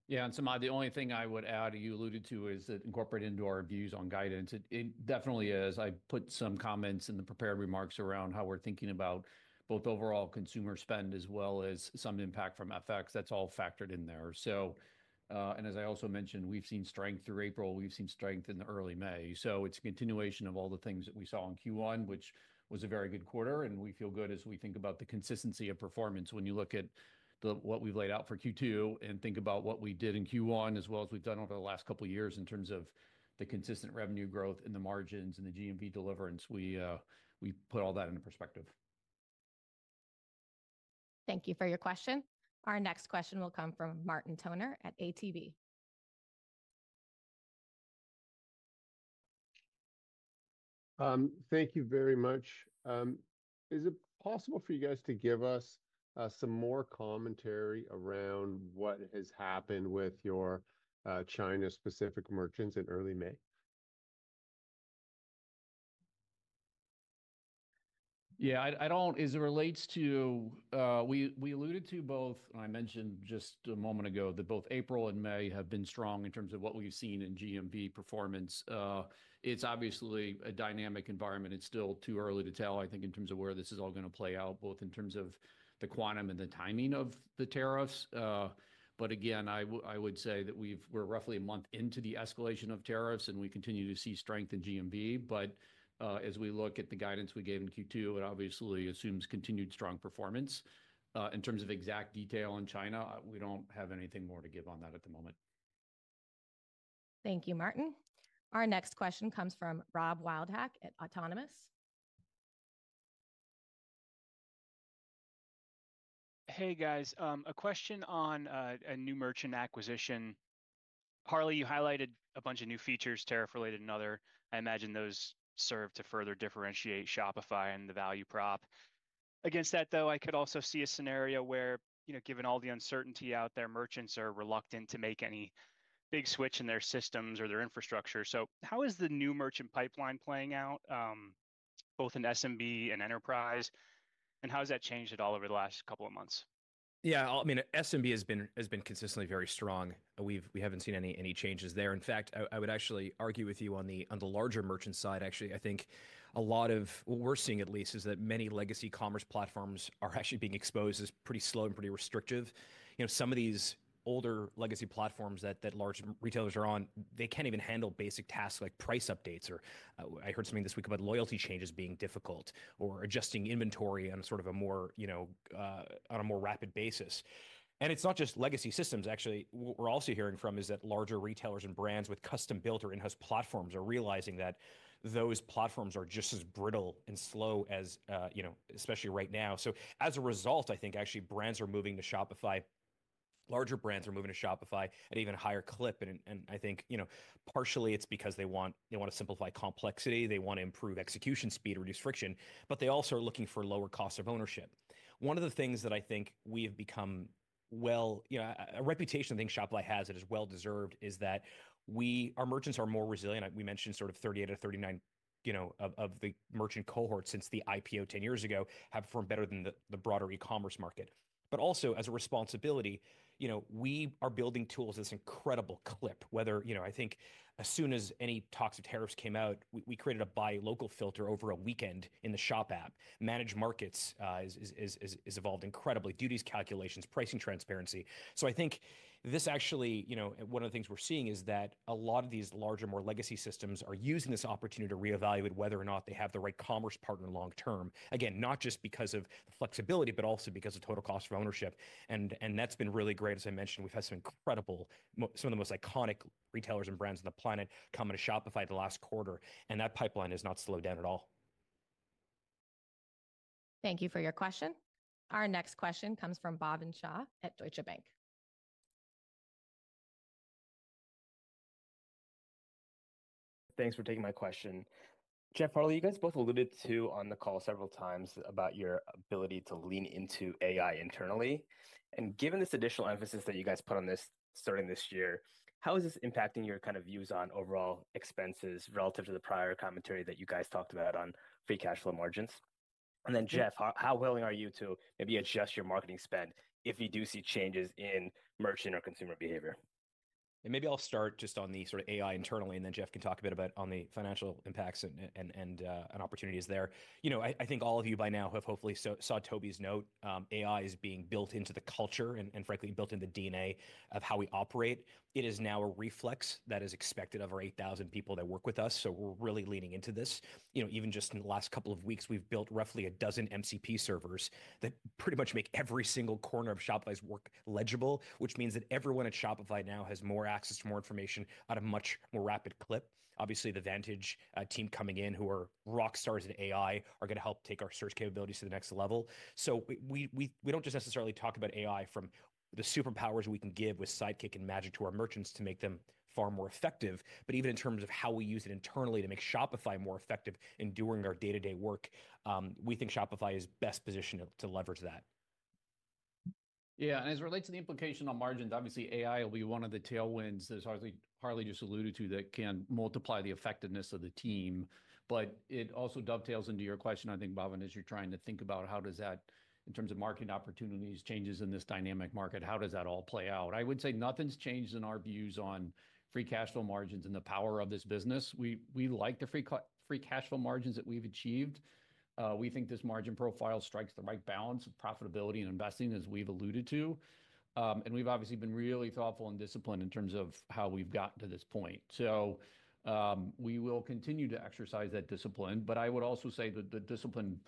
Yeah, and Samad, the only thing I would add you alluded to is that incorporate into our views on guidance. It definitely is. I put some comments in the prepared remarks around how we're thinking about both overall consumer spend as well as some impact from FX. That's all factored in there. So, and as I also mentioned, we've seen strength through April. We've seen strength in the early May. So it's a continuation of all the things that we saw in Q1, which was a very good quarter. And we feel good as we think about the consistency of performance when you look at what we've laid out for Q2 and think about what we did in Q1, as well as we've done over the last couple of years in terms of the consistent revenue growth and the margins and the GMV delivery. We put all that into perspective. Thank you for your question. Our next question will come from Martin Toner at ATB. Thank you very much. Is it possible for you guys to give us some more commentary around what has happened with your China-specific merchants in early May? Yeah, I don't, as it relates to, we alluded to both, and I mentioned just a moment ago that both April and May have been strong in terms of what we've seen in GMV performance. It's obviously a dynamic environment. It's still too early to tell, I think, in terms of where this is all going to play out, both in terms of the quantum and the timing of the tariffs. But again, I would say that we're roughly a month into the escalation of tariffs, and we continue to see strength in GMV. But as we look at the guidance we gave in Q2, it obviously assumes continued strong performance. In terms of exact detail on China, we don't have anything more to give on that at the moment. Thank you, Martin. Our next question comes from Rob Wildhack at Autonomous Research. Hey, guys, a question on a new merchant acquisition. Harley, you highlighted a bunch of new features, tariff-related and other. I imagine those serve to further differentiate Shopify and the value prop. Against that, though, I could also see a scenario where, given all the uncertainty out there, merchants are reluctant to make any big switch in their systems or their infrastructure. So how is the new merchant pipeline playing out, both in SMB and enterprise? And how has that changed at all over the last couple of months? Yeah, I mean, SMB has been consistently very strong. We haven't seen any changes there. In fact, I would actually argue with you on the larger merchant side. Actually, I think a lot of what we're seeing, at least, is that many legacy commerce platforms are actually being exposed as pretty slow and pretty restrictive. Some of these older legacy platforms that large retailers are on, they can't even handle basic tasks like price updates. Or I heard something this week about loyalty changes being difficult or adjusting inventory on a more rapid basis. And it's not just legacy systems. Actually, what we're also hearing from is that larger retailers and brands with custom-built or in-house platforms are realizing that those platforms are just as brittle and slow as, especially right now. So as a result, I think actually brands are moving to Shopify. Larger brands are moving to Shopify at an even higher clip. And I think partially it's because they want to simplify complexity. They want to improve execution speed and reduce friction, but they also are looking for lower cost of ownership. One of the things that I think we have become well, a reputation I think Shopify has that is well-deserved is that our merchants are more resilient. We mentioned sort of 38 or 39 of the merchant cohorts since the IPO 10 years ago have performed better than the broader e-commerce market. But also, as a responsibility, we are building tools at this incredible clip. Whenever I think as soon as any talks of tariffs came out, we created a buy local filter over a weekend in the Shop App. Managed Markets has evolved incredibly. Duties calculations, pricing transparency. So I think this actually, one of the things we're seeing is that a lot of these larger, more legacy systems are using this opportunity to reevaluate whether or not they have the right commerce partner long-term. Again, not just because of the flexibility, but also because of total cost of ownership. And that's been really great. As I mentioned, we've had some incredible, some of the most iconic retailers and brands on the planet come into Shopify the last quarter. And that pipeline has not slowed down at all. Thank you for your question. Our next question comes from Bhavin Shah at Deutsche Bank. Thanks for taking my question. Jeff and Harley, you guys both alluded to on the call several times about your ability to lean into AI internally. And given this additional emphasis that you guys put on this starting this year, how is this impacting your kind of views on overall expenses relative to the prior commentary that you guys talked about on free cash flow margins? And then, Jeff, how willing are you to maybe adjust your marketing spend if you do see changes in merchant or consumer behavior? And maybe I'll start just on the sort of AI internally, and then Jeff can talk a bit about on the financial impacts and opportunities there. I think all of you by now have hopefully saw Tobi's note. AI is being built into the culture and, frankly, built into the DNA of how we operate. It is now a reflex that is expected of our 8,000 people that work with us. So we're really leaning into this. Even just in the last couple of weeks, we've built roughly a dozen MCP servers that pretty much make every single corner of Shopify's work legible, which means that everyone at Shopify now has more access to more information at a much more rapid clip. Obviously, the Vantage team coming in, who are rock stars at AI, are going to help take our search capabilities to the next level. So we don't just necessarily talk about AI from the superpowers we can give with Sidekick and Magic to our merchants to make them far more effective, but even in terms of how we use it internally to make Shopify more effective in doing our day-to-day work, we think Shopify is best positioned to leverage that. Yeah, and as it relates to the implication on margins, obviously AI will be one of the tailwinds that Harley just alluded to that can multiply the effectiveness of the team. But it also dovetails into your question, I think, Bob, as you're trying to think about how does that, in terms of marketing opportunities, changes in this dynamic market, how does that all play out? I would say nothing's changed in our views on free cash flow margins and the power of this business. We like the free cash flow margins that we've achieved. We think this margin profile strikes the right balance of profitability and investing, as we've alluded to. And we've obviously been really thoughtful and disciplined in terms of how we've gotten to this point. So we will continue to exercise that discipline. But I would also say that the discipline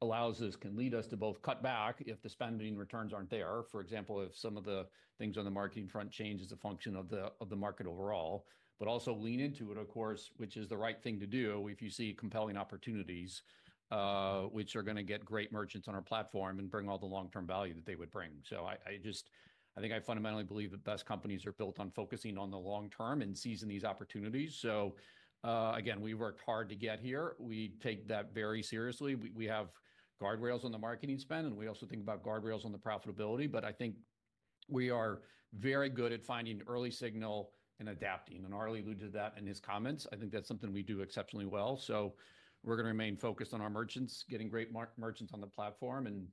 allows us, can lead us to both cut back if the spending returns aren't there. For example, if some of the things on the marketing front change as a function of the market overall, but also lean into it, of course, which is the right thing to do if you see compelling opportunities, which are going to get great merchants on our platform and bring all the long-term value that they would bring. So I just, I think I fundamentally believe that best companies are built on focusing on the long-term and seizing these opportunities. So again, we worked hard to get here. We take that very seriously. We have guardrails on the marketing spend, and we also think about guardrails on the profitability. But I think we are very good at finding early signal and adapting. And Harley alluded to that in his comments. I think that's something we do exceptionally well. So we're going to remain focused on our merchants, getting great merchants on the platform. And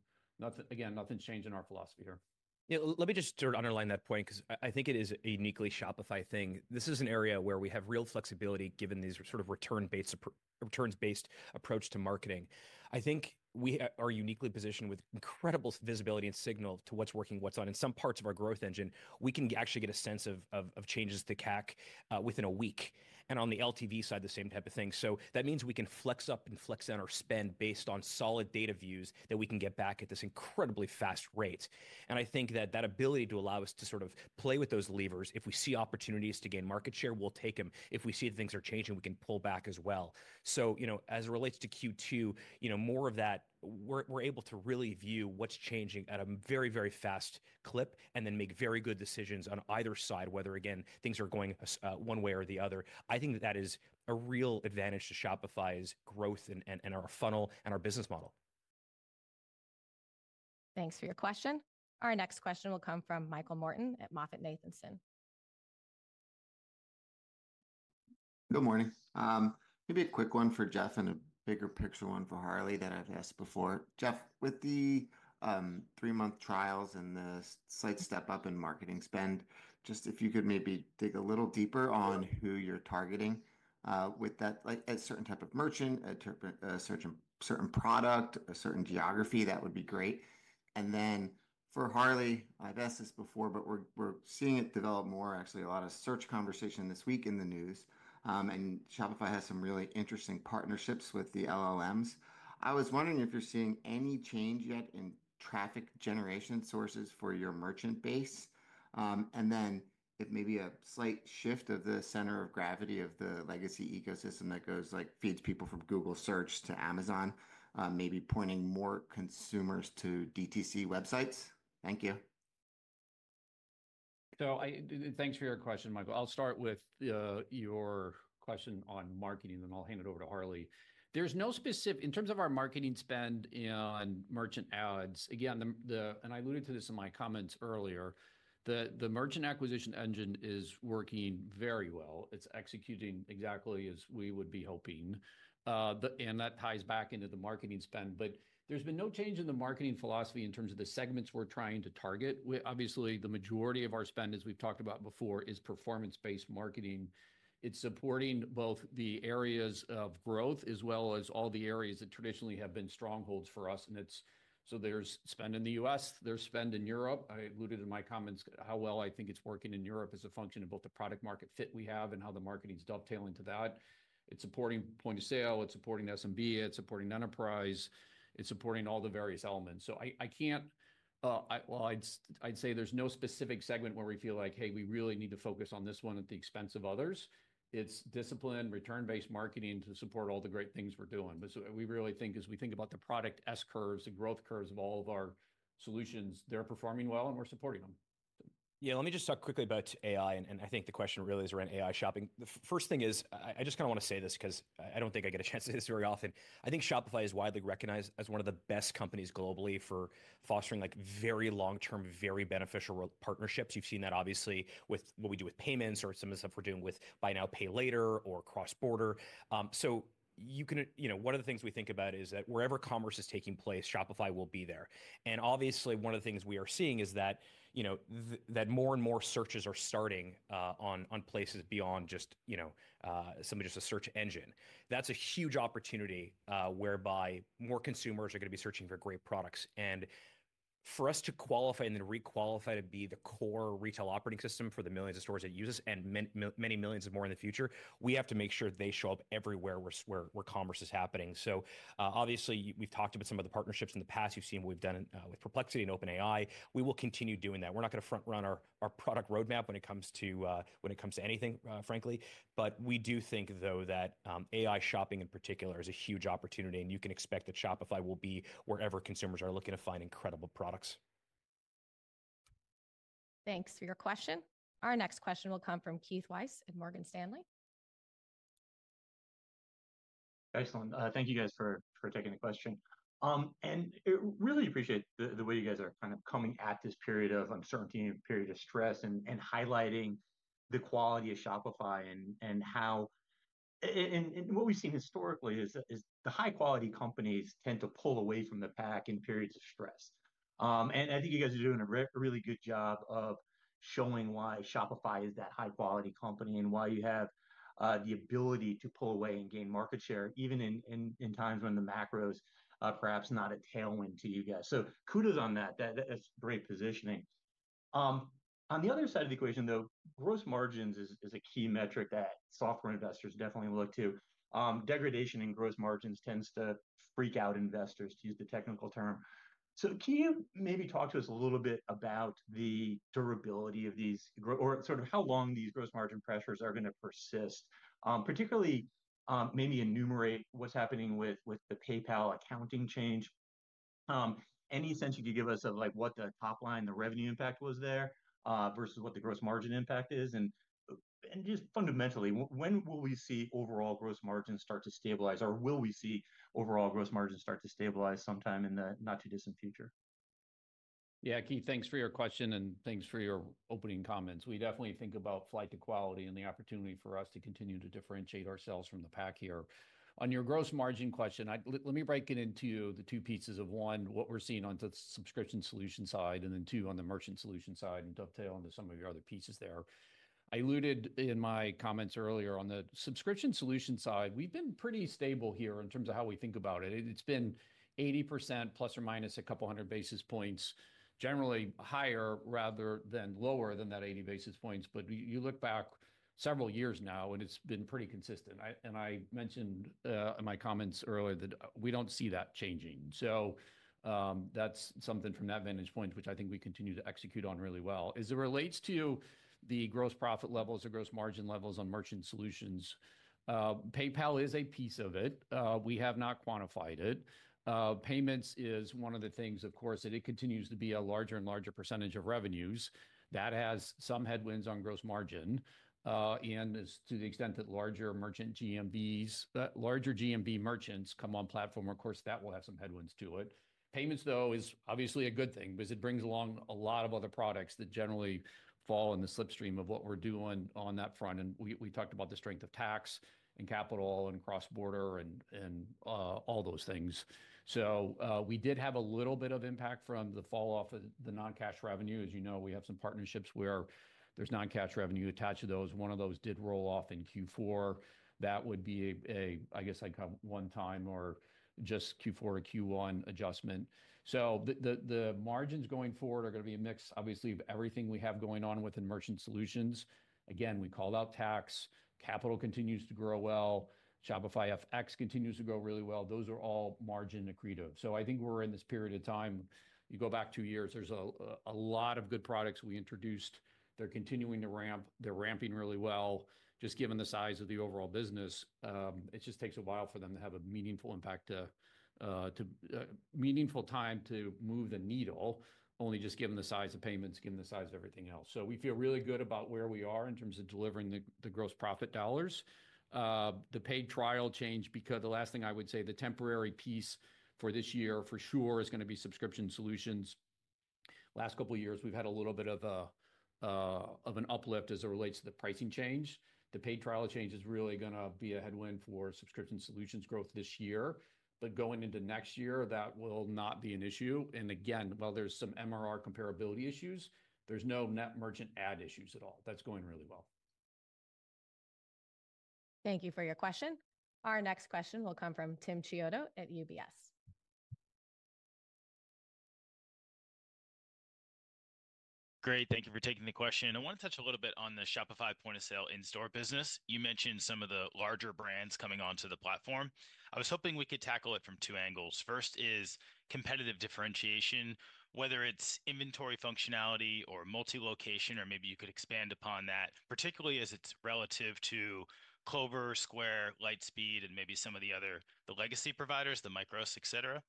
again, nothing's changed in our philosophy here. Yeah, let me just sort of underline that point because I think it is a uniquely Shopify thing. This is an area where we have real flexibility given these sort of return-based approach to marketing. I think we are uniquely positioned with incredible visibility and signal to what's working, what's on. In some parts of our growth engine, we can actually get a sense of changes to CAC within a week. And on the LTV side, the same type of thing. So that means we can flex up and flex down our spend based on solid data views that we can get back at this incredibly fast rate. I think that that ability to allow us to sort of play with those levers, if we see opportunities to gain market share, we'll take them. If we see that things are changing, we can pull back as well. So as it relates to Q2, more of that, we're able to really view what's changing at a very, very fast clip and then make very good decisions on either side, whether, again, things are going one way or the other. I think that that is a real advantage to Shopify's growth and our funnel and our business model. Thanks for your question. Our next question will come from Michael Morton at MoffettNathanson. Good morning. Maybe a quick one for Jeff and a bigger picture one for Harley that I've asked before. Jeff, with the three-month trials and the slight step up in marketing spend, just if you could maybe dig a little deeper on who you're targeting with that, like a certain type of merchant, a certain product, a certain geography, that would be great. And then for Harley, I've asked this before, but we're seeing it develop more, actually, a lot of search conversation this week in the news. And Shopify has some really interesting partnerships with the LLMs. I was wondering if you're seeing any change yet in traffic generation sources for your merchant base. And then if maybe a slight shift of the center of gravity of the legacy ecosystem that goes like feeds people from Google Search to Amazon, maybe pointing more consumers to DTC websites. Thank you. So thanks for your question, Michael. I'll start with your question on marketing, then I'll hand it over to Harley. There's no specific, in terms of our marketing spend and merchant ads. Again, and I alluded to this in my comments earlier, the merchant acquisition engine is working very well. It's executing exactly as we would be hoping, and that ties back into the marketing spend, but there's been no change in the marketing philosophy in terms of the segments we're trying to target. Obviously, the majority of our spend, as we've talked about before, is performance-based marketing. It's supporting both the areas of growth as well as all the areas that traditionally have been strongholds for us, and so there's spend in the U.S., there's spend in Europe. I alluded in my comments how well I think it's working in Europe as a function of both the product-market fit we have and how the marketing is dovetailing to that. It's supporting point of sale, it's supporting SMB, it's supporting enterprise, it's supporting all the various elements. So I can't, well, I'd say there's no specific segment where we feel like, hey, we really need to focus on this one at the expense of others. It's discipline, return-based marketing to support all the great things we're doing. But we really think as we think about the product S curves, the growth curves of all of our solutions, they're performing well and we're supporting them. Yeah, let me just talk quickly about AI, and I think the question really is around AI shopping. The first thing is, I just kind of want to say this because I don't think I get a chance to say this very often. I think Shopify is widely recognized as one of the best companies globally for fostering very long-term, very beneficial partnerships. You've seen that obviously with what we do with payments or some of the stuff we're doing with buy now, pay later or Cross-border. So one of the things we think about is that wherever commerce is taking place, Shopify will be there, and obviously, one of the things we are seeing is that more and more searches are starting on places beyond just somebody just a search engine. That's a huge opportunity whereby more consumers are going to be searching for great products. For us to qualify and then requalify to be the core retail operating system for the millions of stores that use us and many millions more in the future, we have to make sure they show up everywhere where commerce is happening. So obviously, we've talked about some of the partnerships in the past. You've seen what we've done with Perplexity and OpenAI. We will continue doing that. We're not going to front-run our product roadmap when it comes to anything, frankly. But we do think, though, that AI shopping in particular is a huge opportunity, and you can expect that Shopify will be wherever consumers are looking to find incredible products. Thanks for your question. Our next question will come from Keith Weiss at Morgan Stanley. Excellent. Thank you guys for taking the question. And really appreciate the way you guys are kind of coming at this period of uncertainty and period of stress and highlighting the quality of Shopify and how, and what we've seen historically is the high-quality companies tend to pull away from the pack in periods of stress. And I think you guys are doing a really good job of showing why Shopify is that high-quality company and why you have the ability to pull away and gain market share even in times when the macro's perhaps not a tailwind to you guys. So kudos on that. That's great positioning. On the other side of the equation, though, gross margins is a key metric that software investors definitely look to. Degradation in gross margins tends to freak out investors, to use the technical term. So can you maybe talk to us a little bit about the durability of these or sort of how long these gross margin pressures are going to persist, particularly maybe enumerate what's happening with the PayPal accounting change? Any sense you could give us of what the top line, the revenue impact was there versus what the gross margin impact is? And just fundamentally, when will we see overall gross margins start to stabilize, or will we see overall gross margins start to stabilize sometime in the not-too-distant future? Yeah, Keith, thanks for your question and thanks for your opening comments. We definitely think about flight to quality and the opportunity for us to continue to differentiate ourselves from the pack here. On your gross margin question, let me break it into the two pieces of one, what we're seeing on the subscription solution side, and then two on the merchant solution side and dovetail onto some of your other pieces there. I alluded in my comments earlier on the subscription solution side, we've been pretty stable here in terms of how we think about it. It's been 80% plus or minus a couple hundred basis points, generally higher rather than lower than that 80 basis points. But you look back several years now, and it's been pretty consistent. And I mentioned in my comments earlier that we don't see that changing. So that's something from that vantage point, which I think we continue to execute on really well. As it relates to the gross profit levels or gross margin levels on merchant solutions, PayPal is a piece of it. We have not quantified it. Payments is one of the things, of course, that it continues to be a larger and larger percentage of revenues. That has some headwinds on gross margin. And to the extent that larger merchant GMVs, larger GMV merchants come on platform, of course, that will have some headwinds to it. Payments, though, is obviously a good thing because it brings along a lot of other products that generally fall in the slipstream of what we're doing on that front. And we talked about the strength of tax and capital and cross-border and all those things. So we did have a little bit of impact from the falloff of the non-cash revenue. As you know, we have some partnerships where there's non-cash revenue attached to those. One of those did roll off in Q4. That would be a, I guess I'd call it one-time or just Q4 or Q1 adjustment. So the margins going forward are going to be a mix, obviously, of everything we have going on within Merchant Solutions. Again, we called out tax. Capital continues to grow well. Shopify FX continues to grow really well. Those are all margin accretive. So I think we're in this period of time. You go back two years, there's a lot of good products we introduced. They're continuing to ramp. They're ramping really well. Just given the size of the overall business, it just takes a while for them to have a meaningful impact, meaningful time to move the needle, only just given the size of payments, given the size of everything else. So we feel really good about where we are in terms of delivering the gross profit dollars. The paid trial changed because the last thing I would say, the temporary piece for this year for sure is going to be subscription solutions. Last couple of years, we've had a little bit of an uplift as it relates to the pricing change. The paid trial change is really going to be a headwind for subscription solutions growth this year. But going into next year, that will not be an issue. And again, while there's some MRR comparability issues, there's no net merchant ad issues at all. That's going really well. Thank you for your question. Our next question will come from Tim Chiodo at UBS. Great. Thank you for taking the question. I want to touch a little bit on the Shopify Point of Sale in-store business. You mentioned some of the larger brands coming onto the platform. I was hoping we could tackle it from two angles. First is competitive differentiation, whether it's inventory functionality or multi-location, or maybe you could expand upon that, particularly as it's relative to Clover, Square, Lightspeed, and maybe some of the other legacy providers, the Micros, etc.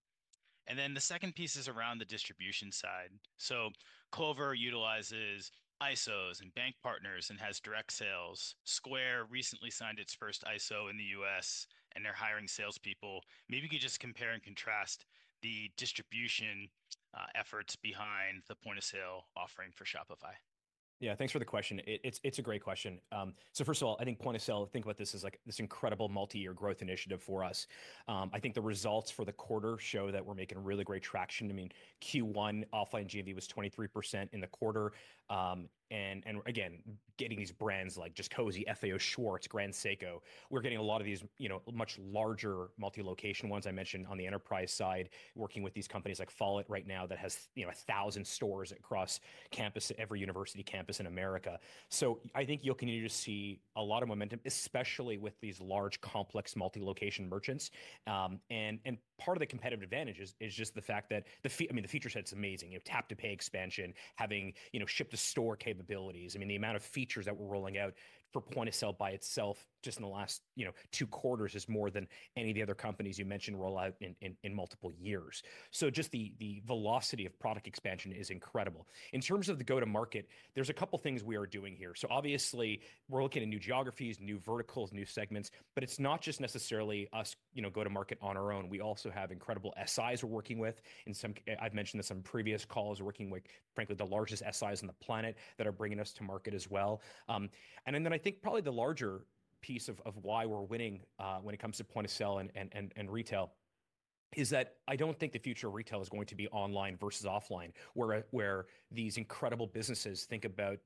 And then the second piece is around the distribution side. So Clover utilizes ISOs and bank partners and has direct sales. Square recently signed its first ISO in the U.S., and they're hiring salespeople. Maybe you could just compare and contrast the distribution efforts behind the point of sale offering for Shopify. Yeah, thanks for the question. It's a great question. So first of all, I think point of sale, think about this as this incredible multi-year growth initiative for us. I think the results for the quarter show that we're making really great traction. I mean, Q1 offline GMV was 23% in the quarter. And again, getting these brands like Just Cozy, FAO Schwarz, Grand Seiko, we're getting a lot of these much larger multi-location ones I mentioned on the enterprise side, working with these companies like Follett right now that has 1,000 stores across campus, every university campus in America. So I think you'll continue to see a lot of momentum, especially with these large complex multi-location merchants. And part of the competitive advantage is just the fact that, I mean, the feature set is amazing. Tap-to-pay expansion, having ship-to-store capabilities. I mean, the amount of features that we're rolling out for point of sale by itself just in the last two quarters is more than any of the other companies you mentioned roll out in multiple years. So just the velocity of product expansion is incredible. In terms of the go-to-market, there's a couple of things we are doing here. So obviously, we're looking at new geographies, new verticals, new segments, but it's not just necessarily us go-to-market on our own. We also have incredible SIs we're working with. I've mentioned this on previous calls. We're working with, frankly, the largest SIs on the planet that are bringing us to market as well. And then I think probably the larger piece of why we're winning when it comes to point of sale and retail is that I don't think the future of retail is going to be online versus offline, where these incredible businesses think about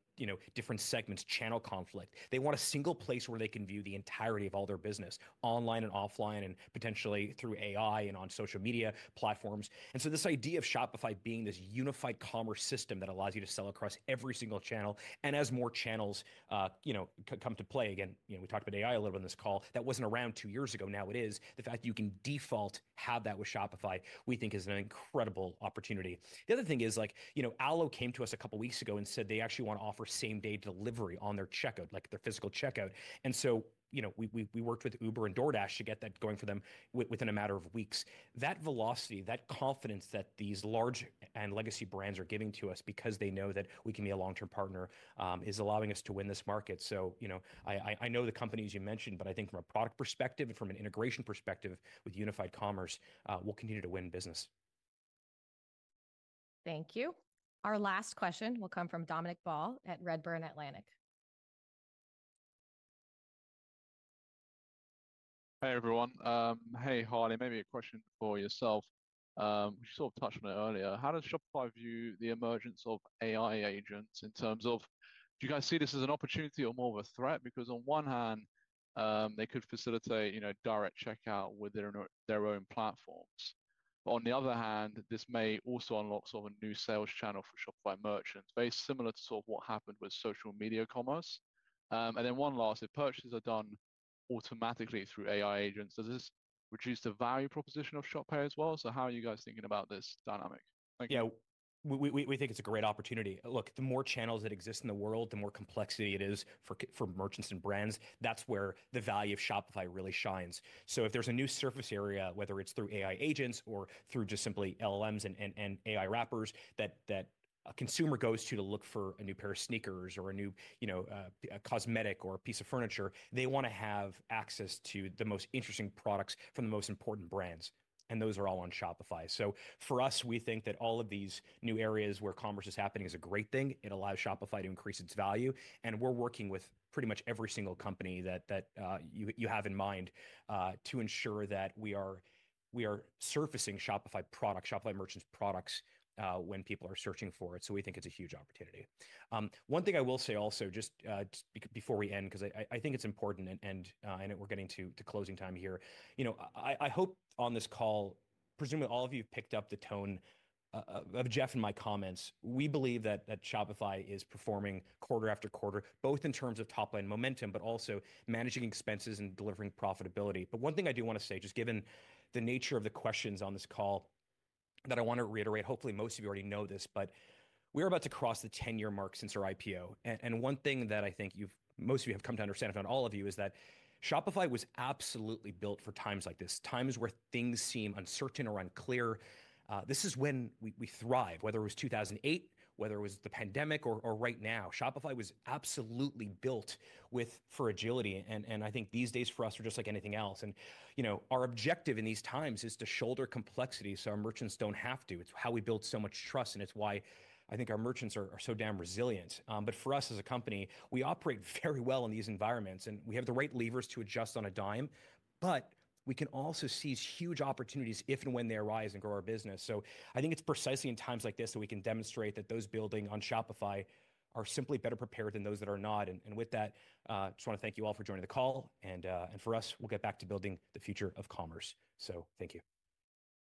different segments, channel conflict. They want a single place where they can view the entirety of all their business, online and offline and potentially through AI and on social media platforms. And so this idea of Shopify being this unified commerce system that allows you to sell across every single channel. And as more channels come to play, again, we talked about AI a little bit in this call, that wasn't around two years ago, now it is. The fact that you can default, have that with Shopify, we think is an incredible opportunity. The other thing is, Alo came to us a couple of weeks ago and said they actually want to offer same-day delivery on their checkout, like their physical checkout. And so we worked with Uber and DoorDash to get that going for them within a matter of weeks. That velocity, that confidence that these large and legacy brands are giving to us because they know that we can be a long-term partner is allowing us to win this market. So I know the companies you mentioned, but I think from a product perspective and from an integration perspective with unified commerce, we'll continue to win business. Thank you. Our last question will come from Dominic Ball at Redburn Atlantic. Hey, everyone. Hey, Harley, maybe a question for yourself. We sort of touched on it earlier. How does Shopify view the emergence of AI agents in terms of, do you guys see this as an opportunity or more of a threat? Because on one hand, they could facilitate direct checkout with their own platforms. But on the other hand, this may also unlock sort of a new sales channel for Shopify merchants, very similar to sort of what happened with social media commerce. And then one last, if purchases are done automatically through AI agents, does this reduce the value proposition of Shopify as well? So how are you guys thinking about this dynamic? Yeah, we think it's a great opportunity. Look, the more channels that exist in the world, the more complexity it is for merchants and brands. That's where the value of Shopify really shines. So if there's a new surface area, whether it's through AI agents or through just simply LLMs and AI wrappers that a consumer goes to look for a new pair of sneakers or a new cosmetic or a piece of furniture, they want to have access to the most interesting products from the most important brands. And those are all on Shopify. So for us, we think that all of these new areas where commerce is happening is a great thing. It allows Shopify to increase its value. And we're working with pretty much every single company that you have in mind to ensure that we are surfacing Shopify products, Shopify merchants' products when people are searching for it. So we think it's a huge opportunity. One thing I will say also, just before we end, because I think it's important and we're getting to closing time here. I hope on this call, presumably all of you have picked up the tone of Jeff and my comments. We believe that Shopify is performing quarter after quarter, both in terms of top-line momentum, but also managing expenses and delivering profitability. But one thing I do want to say, just given the nature of the questions on this call, that I want to reiterate, hopefully most of you already know this, but we're about to cross the 10-year mark since our IPO. And one thing that I think most of you have come to understand, if not all of you, is that Shopify was absolutely built for times like this, times where things seem uncertain or unclear. This is when we thrived, whether it was 2008, whether it was the pandemic, or right now. Shopify was absolutely built for agility. And I think these days for us are just like anything else. And our objective in these times is to shoulder complexity so our merchants don't have to. It's how we build so much trust, and it's why I think our merchants are so damn resilient. But for us as a company, we operate very well in these environments, and we have the right levers to adjust on a dime, but we can also seize huge opportunities if and when they arise and grow our business. So I think it's precisely in times like this that we can demonstrate that those building on Shopify are simply better prepared than those that are not. And with that, I just want to thank you all for joining the call. And for us, we'll get back to building the future of commerce. So thank you.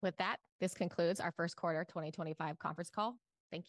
With that, this concludes our Q1 2025 Conference Call. Thank you.